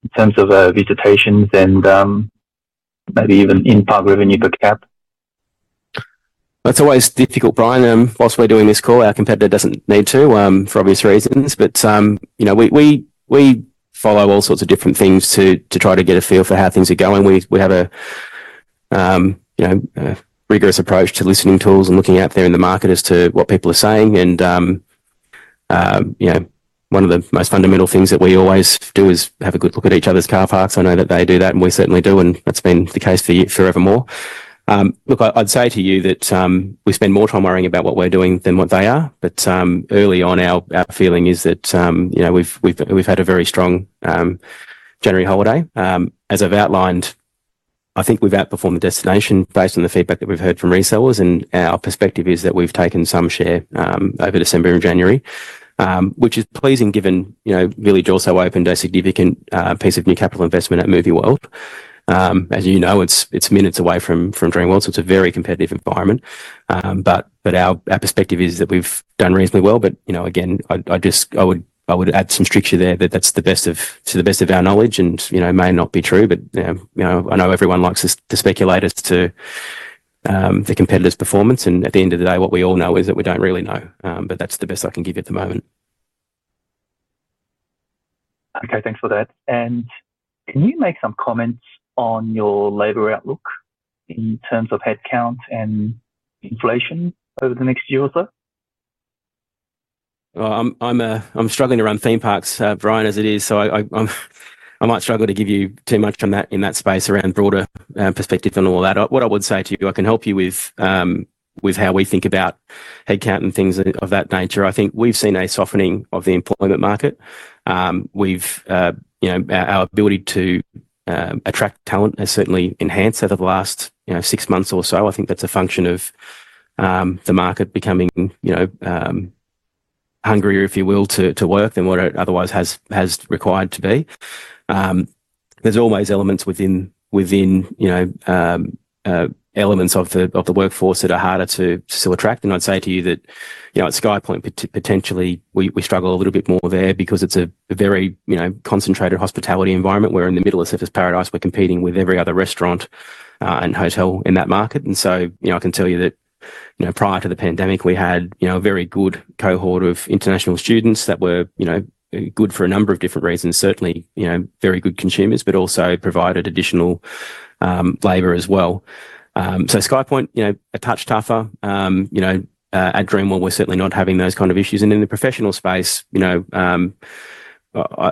in terms of visitations and maybe even impact revenue per cap? That's always difficult, Brian. Whilst we're doing this call, our competitor doesn't need to for obvious reasons, but we follow all sorts of different things to try to get a feel for how things are going. We have a rigorous approach to listening tools and looking out there in the market as to what people are saying. One of the most fundamental things that we always do is have a good look at each other's car parks. I know that they do that, and we certainly do, and that's been the case forevermore. Look, I'd say to you that we spend more time worrying about what we're doing than what they are, but early on, our feeling is that we've had a very strong January holiday. As I've outlined, I think we've outperformed the destination based on the feedback that we've heard from resellers, and our perspective is that we've taken some share over December and January, which is pleasing given Billy Jaws opened a significant piece of new capital investment at Movie World. As you know, it's minutes away from Dreamworld, so it's a very competitive environment. Our perspective is that we've done reasonably well. I would add some structure there that that's to the best of our knowledge and may not be true, but I know everyone likes to speculate as to the competitor's performance. At the end of the day, what we all know is that we don't really know, but that's the best I can give you at the moment. Okay. Thanks for that. Can you make some comments on your labor outlook in terms of headcount and inflation over the next year or so? I'm struggling around theme parks, Brian, as it is. I might struggle to give you too much on that in that space around broader perspective on all that. What I would say to you, I can help you with how we think about headcount and things of that nature. I think we've seen a softening of the employment market. Our ability to attract talent has certainly enhanced over the last six months or so. I think that's a function of the market becoming hungrier, if you will, to work than what it otherwise has required to be. There's always elements within elements of the workforce that are harder to still attract. I'd say to you that at SkyPoint, potentially, we struggle a little bit more there because it's a very concentrated hospitality environment. We're in the middle of Surfers Paradise. We're competing with every other restaurant and hotel in that market. I can tell you that prior to the pandemic, we had a very good cohort of international students that were good for a number of different reasons, certainly very good consumers, but also provided additional labor as well. SkyPoint, a touch tougher. At Dreamworld, we're certainly not having those kind of issues. In the professional space, I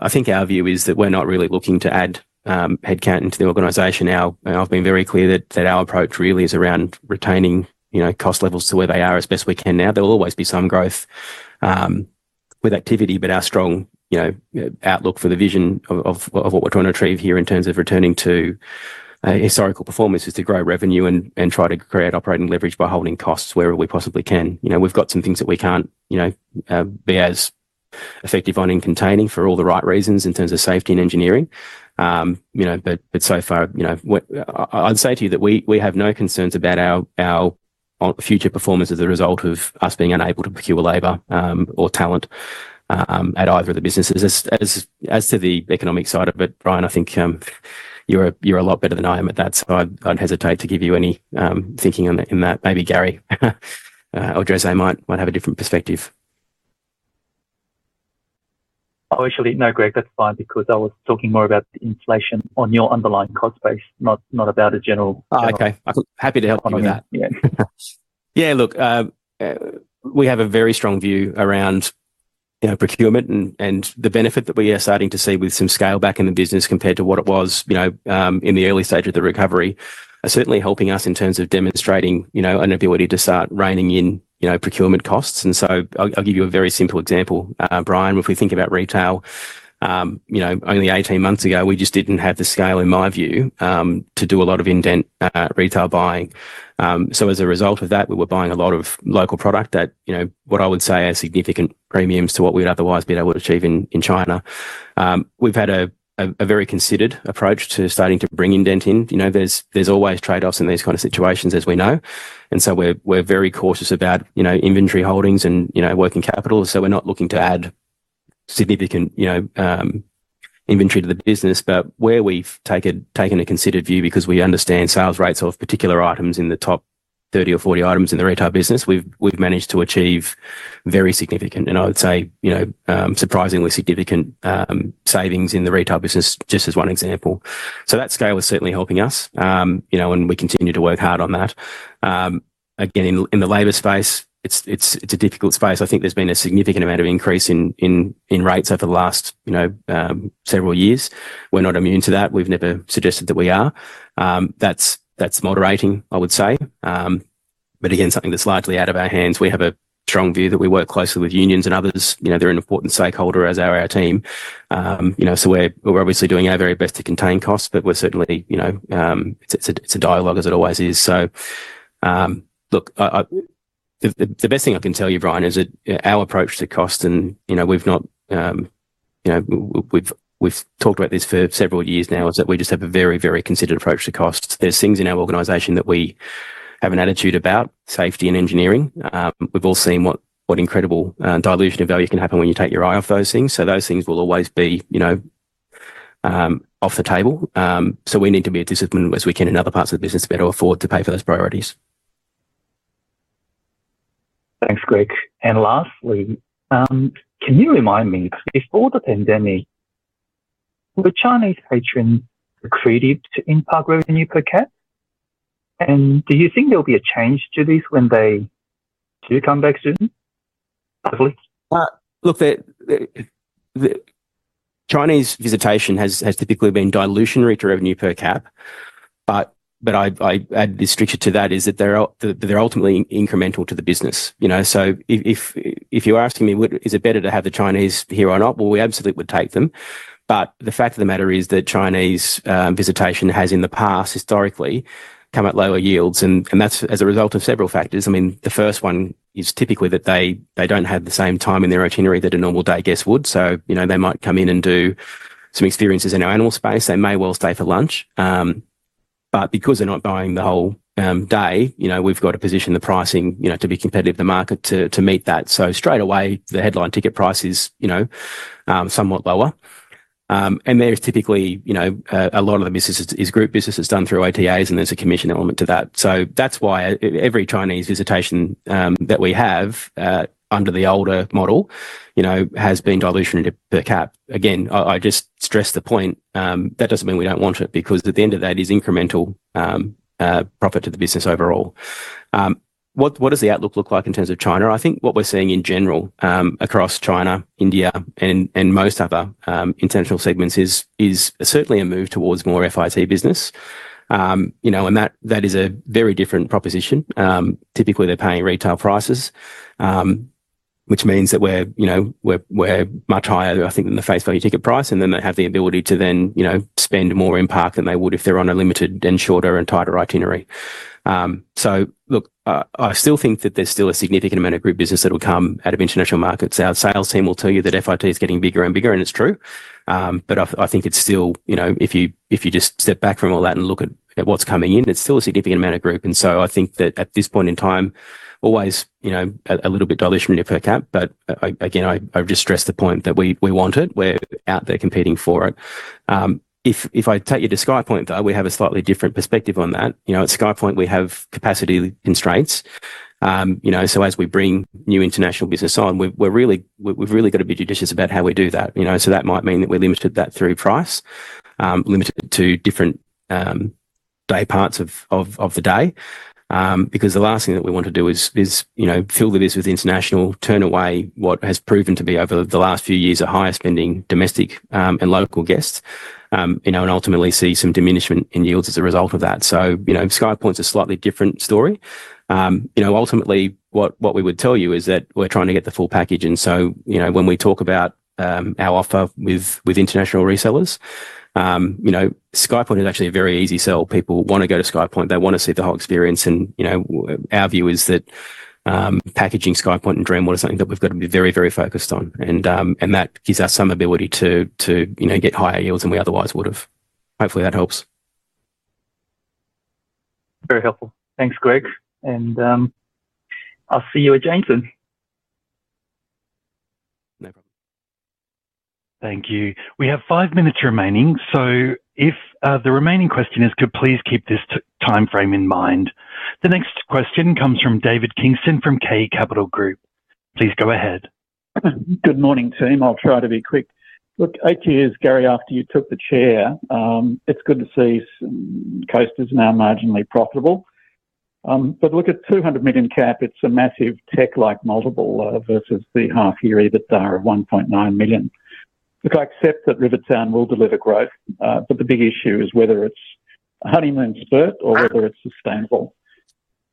think our view is that we're not really looking to add headcount into the organization. I've been very clear that our approach really is around retaining cost levels to where they are as best we can now. There will always be some growth with activity, but our strong outlook for the vision of what we're trying to achieve here in terms of returning to historical performance is to grow revenue and try to create operating leverage by holding costs wherever we possibly can. We have got some things that we cannot be as effective on in containing for all the right reasons in terms of safety and engineering. So far, I would say to you that we have no concerns about our future performance as a result of us being unable to procure labor or talent at either of the businesses. As to the economic side of it, Brian, I think you are a lot better than I am at that. I would hesitate to give you any thinking in that. Maybe Gary or José might have a different perspective. Oh, actually, no, Greg, that's fine because I was talking more about the inflation on your underlying cost base, not about a general challenge. Okay. Happy to help you with that. Yeah. Yeah. Look, we have a very strong view around procurement and the benefit that we are starting to see with some scale back in the business compared to what it was in the early stage of the recovery. Certainly helping us in terms of demonstrating an ability to start reining in procurement costs. I'll give you a very simple example, Brian. If we think about retail, only 18 months ago, we just didn't have the scale, in my view, to do a lot of indent retail buying. As a result of that, we were buying a lot of local product at what I would say are significant premiums to what we'd otherwise be able to achieve in China. We've had a very considered approach to starting to bring indent in. There's always trade-offs in these kinds of situations, as we know. We are very cautious about inventory holdings and working capital. We are not looking to add significant inventory to the business, but where we've taken a considered view, because we understand sales rates of particular items in the top 30 or 40 items in the retail business, we've managed to achieve very significant, and I would say surprisingly significant, savings in the retail business, just as one example. That scale is certainly helping us, and we continue to work hard on that. Again, in the labor space, it's a difficult space. I think there's been a significant amount of increase in rates over the last several years. We're not immune to that. We've never suggested that we are. That's moderating, I would say. Again, something that's largely out of our hands. We have a strong view that we work closely with unions and others. They're an important stakeholder as are our team. We're obviously doing our very best to contain costs, but certainly it's a dialogue, as it always is. The best thing I can tell you, Brian, is that our approach to cost, and we've talked about this for several years now, is that we just have a very, very considered approach to costs. There's things in our organization that we have an attitude about safety and engineering. We've all seen what incredible dilution of value can happen when you take your eye off those things. Those things will always be off the table. We need to be as disciplined as we can in other parts of the business to be able to afford to pay for those priorities. Thanks, Greg. Lastly, can you remind me, before the pandemic, were Chinese patrons accredited in park revenue per cap? Do you think there'll be a change to this when they do come back soon? Hopefully. Look, Chinese visitation has typically been dilutionary to revenue per cap, but I'd add the structure to that is that they're ultimately incremental to the business. If you're asking me, is it better to have the Chinese here or not? We absolutely would take them. The fact of the matter is that Chinese visitation has in the past, historically, come at lower yields, and that's as a result of several factors. I mean, the first one is typically that they don't have the same time in their itinerary that a normal day guest would. They might come in and do some experiences in our animal space. They may well stay for lunch. Because they're not buying the whole day, we've got to position the pricing to be competitive with the market to meet that. Straight away, the headline ticket price is somewhat lower. There's typically a lot of the business that is group business that's done through ATAs, and there's a commission element to that. That's why every Chinese visitation that we have under the older model has been dilutionary per cap. Again, I just stress the point. That doesn't mean we don't want it because at the end of that is incremental profit to the business overall. What does the outlook look like in terms of China? I think what we're seeing in general across China, India, and most other international segments is certainly a move towards more FIT business. That is a very different proposition. Typically, they're paying retail prices, which means that we're much higher, I think, than the face value ticket price, and then they have the ability to then spend more in park than they would if they're on a limited and shorter and tighter itinerary. I still think that there's still a significant amount of group business that will come out of international markets. Our sales team will tell you that FIT is getting bigger and bigger, and it's true. I think it's still, if you just step back from all that and look at what's coming in, it's still a significant amount of group. I think that at this point in time, always a little bit dilutionary per cap, but again, I've just stressed the point that we want it. We're out there competing for it. If I take you to Skypoint, though, we have a slightly different perspective on that. At Skypoint, we have capacity constraints. As we bring new international business on, we've really got to be judicious about how we do that. That might mean that we're limited to that through price, limited to different day parts of the day because the last thing that we want to do is fill the business with international, turn away what has proven to be, over the last few years, a higher spending domestic and local guests, and ultimately see some diminishment in yields as a result of that. Skypoint's a slightly different story. Ultimately, what we would tell you is that we're trying to get the full package. When we talk about our offer with international resellers, Skypoint is actually a very easy sell. People want to go to Skypoint. They want to see the whole experience. Our view is that packaging Skypoint and Dreamworld is something that we've got to be very, very focused on. That gives us some ability to get higher yields than we otherwise would have. Hopefully, that helps. Very helpful. Thanks, Greg. I'll see you at Jane's soon. No problem. Thank you. We have five minutes remaining. If the remaining question is, please keep this timeframe in mind. The next question comes from David Kingston from K Capital Group. Please go ahead. Good morning, team. I'll try to be quick. Look, eight years, Gary, after you took the chair, it's good to see some coasters now marginally profitable. Look at 200 million cap. It's a massive tech-like multiple versus the half-year EBITDA of 1.9 million. I accept that Rivertown will deliver growth, but the big issue is whether it's honeymoon spurt or whether it's sustainable.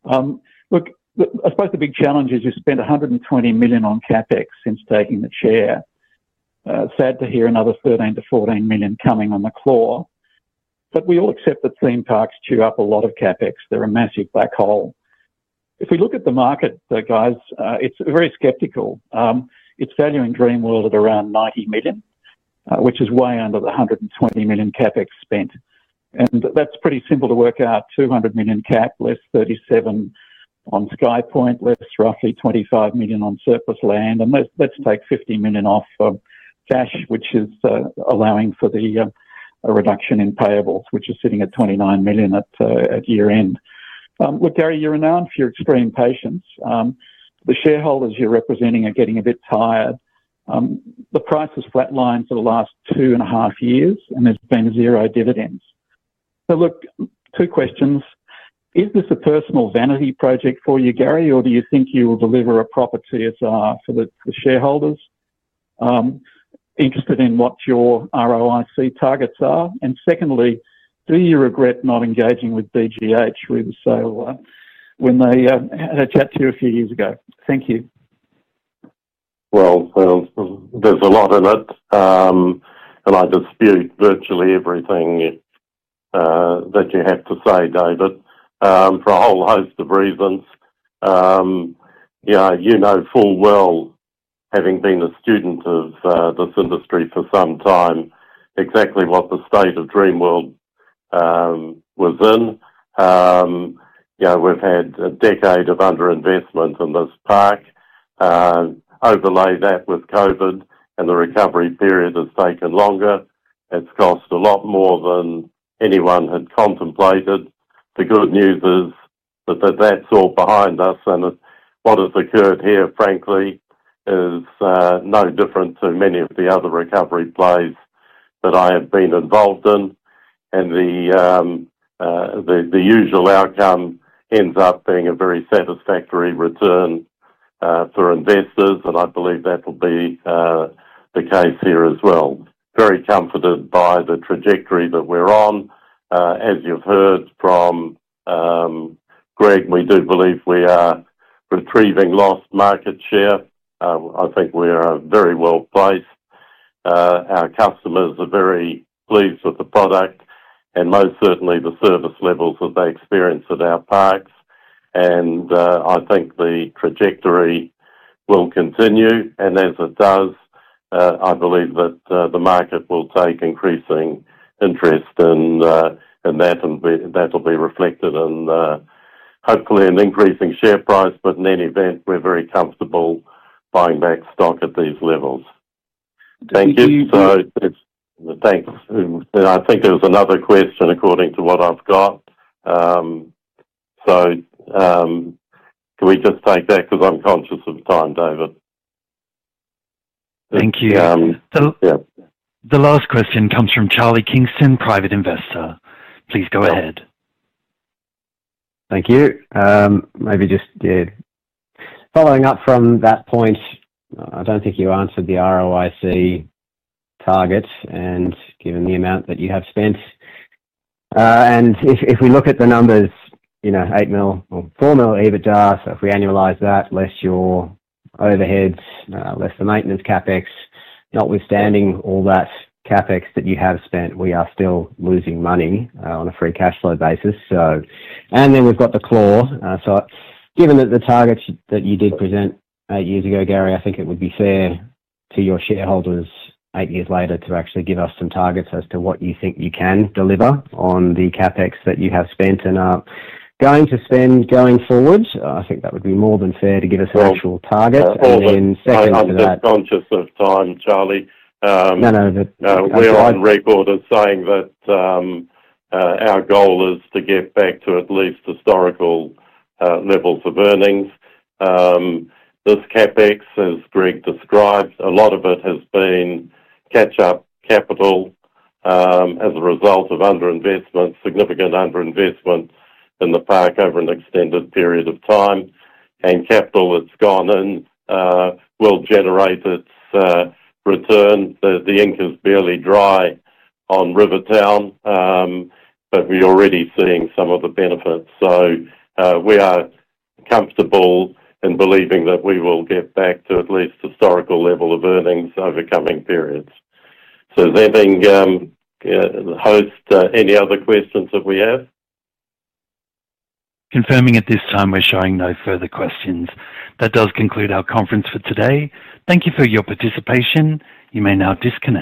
I suppose the big challenge is you spent 120 million on CapEx since taking the chair. Sad to hear another 13 million-14 million coming on the floor. We all accept that theme parks chew up a lot of CapEx. They're a massive black hole. If we look at the market, guys, it's very skeptical. It's valuing Dreamworld at around 90 million, which is way under the 120 million CapEx spent. That's pretty simple to work out. 200 million cap, less 37 million on SkyPoint, less roughly 25 million on surplus land. Let's take 50 million off cash, which is allowing for the reduction in payables, which is sitting at 29 million at year-end. Gary, you're renowned for your extreme patience. The shareholders you're representing are getting a bit tired. The price has flatlined for the last two and a half years, and there's been zero dividends. Two questions. Is this a personal vanity project for you, Gary, or do you think you will deliver a proper TSR for the shareholders? Interested in what your ROIC targets are. Secondly, do you regret not engaging with BGH? We were so when they had a chat to you a few years ago. Thank you. There is a lot of it. I dispute virtually everything that you have to say, David, for a whole host of reasons. You know full well, having been a student of this industry for some time, exactly what the state of Dreamworld was in. We have had a decade of underinvestment in this park. Overlay that with COVID, and the recovery period has taken longer. It has cost a lot more than anyone had contemplated. The good news is that that is all behind us. What has occurred here, frankly, is no different to many of the other recovery plays that I have been involved in. The usual outcome ends up being a very satisfactory return for investors. I believe that will be the case here as well. Very comforted by the trajectory that we're on. As you've heard from Greg, we do believe we are retrieving lost market share. I think we are very well placed. Our customers are very pleased with the product, and most certainly the service levels that they experience at our parks. I think the trajectory will continue. As it does, I believe that the market will take increasing interest in that. That will be reflected in hopefully an increasing share price. In any event, we're very comfortable buying back stock at these levels. Thank you. Thanks. I think there was another question according to what I've got. Can we just take that? I am conscious of time, David. Thank you. The last question comes from Charlie Kingston, private investor. Please go ahead. Thank you. Maybe just following up from that point, I don't think you answered the ROIC target and given the amount that you have spent. If we look at the numbers, 8 million or 4 million EBITDA, if we annualize that, less your overheads, less the maintenance CapEx, notwithstanding all that CapEx that you have spent, we are still losing money on a free cash flow basis. We have The Claw. Given that the targets that you did present eight years ago, Gary, I think it would be fair to your shareholders eight years later to actually give us some targets as to what you think you can deliver on the CapEx that you have spent and are going to spend going forward. I think that would be more than fair to give us an actual target. Second to that, I'm just conscious of time, Charlie. No, no. We're on record as saying that our goal is to get back to at least historical levels of earnings. This CapEx, as Greg described, a lot of it has been catch-up capital as a result of underinvestment, significant underinvestment in the park over an extended period of time. Capital that's gone in will generate its return. The ink is barely dry on Rivertown, but we're already seeing some of the benefits. We are comfortable in believing that we will get back to at least historical level of earnings over coming periods. That being the host, any other questions that we have? Confirming at this time we're showing no further questions. That does conclude our conference for today. Thank you for your participation. You may now disconnect.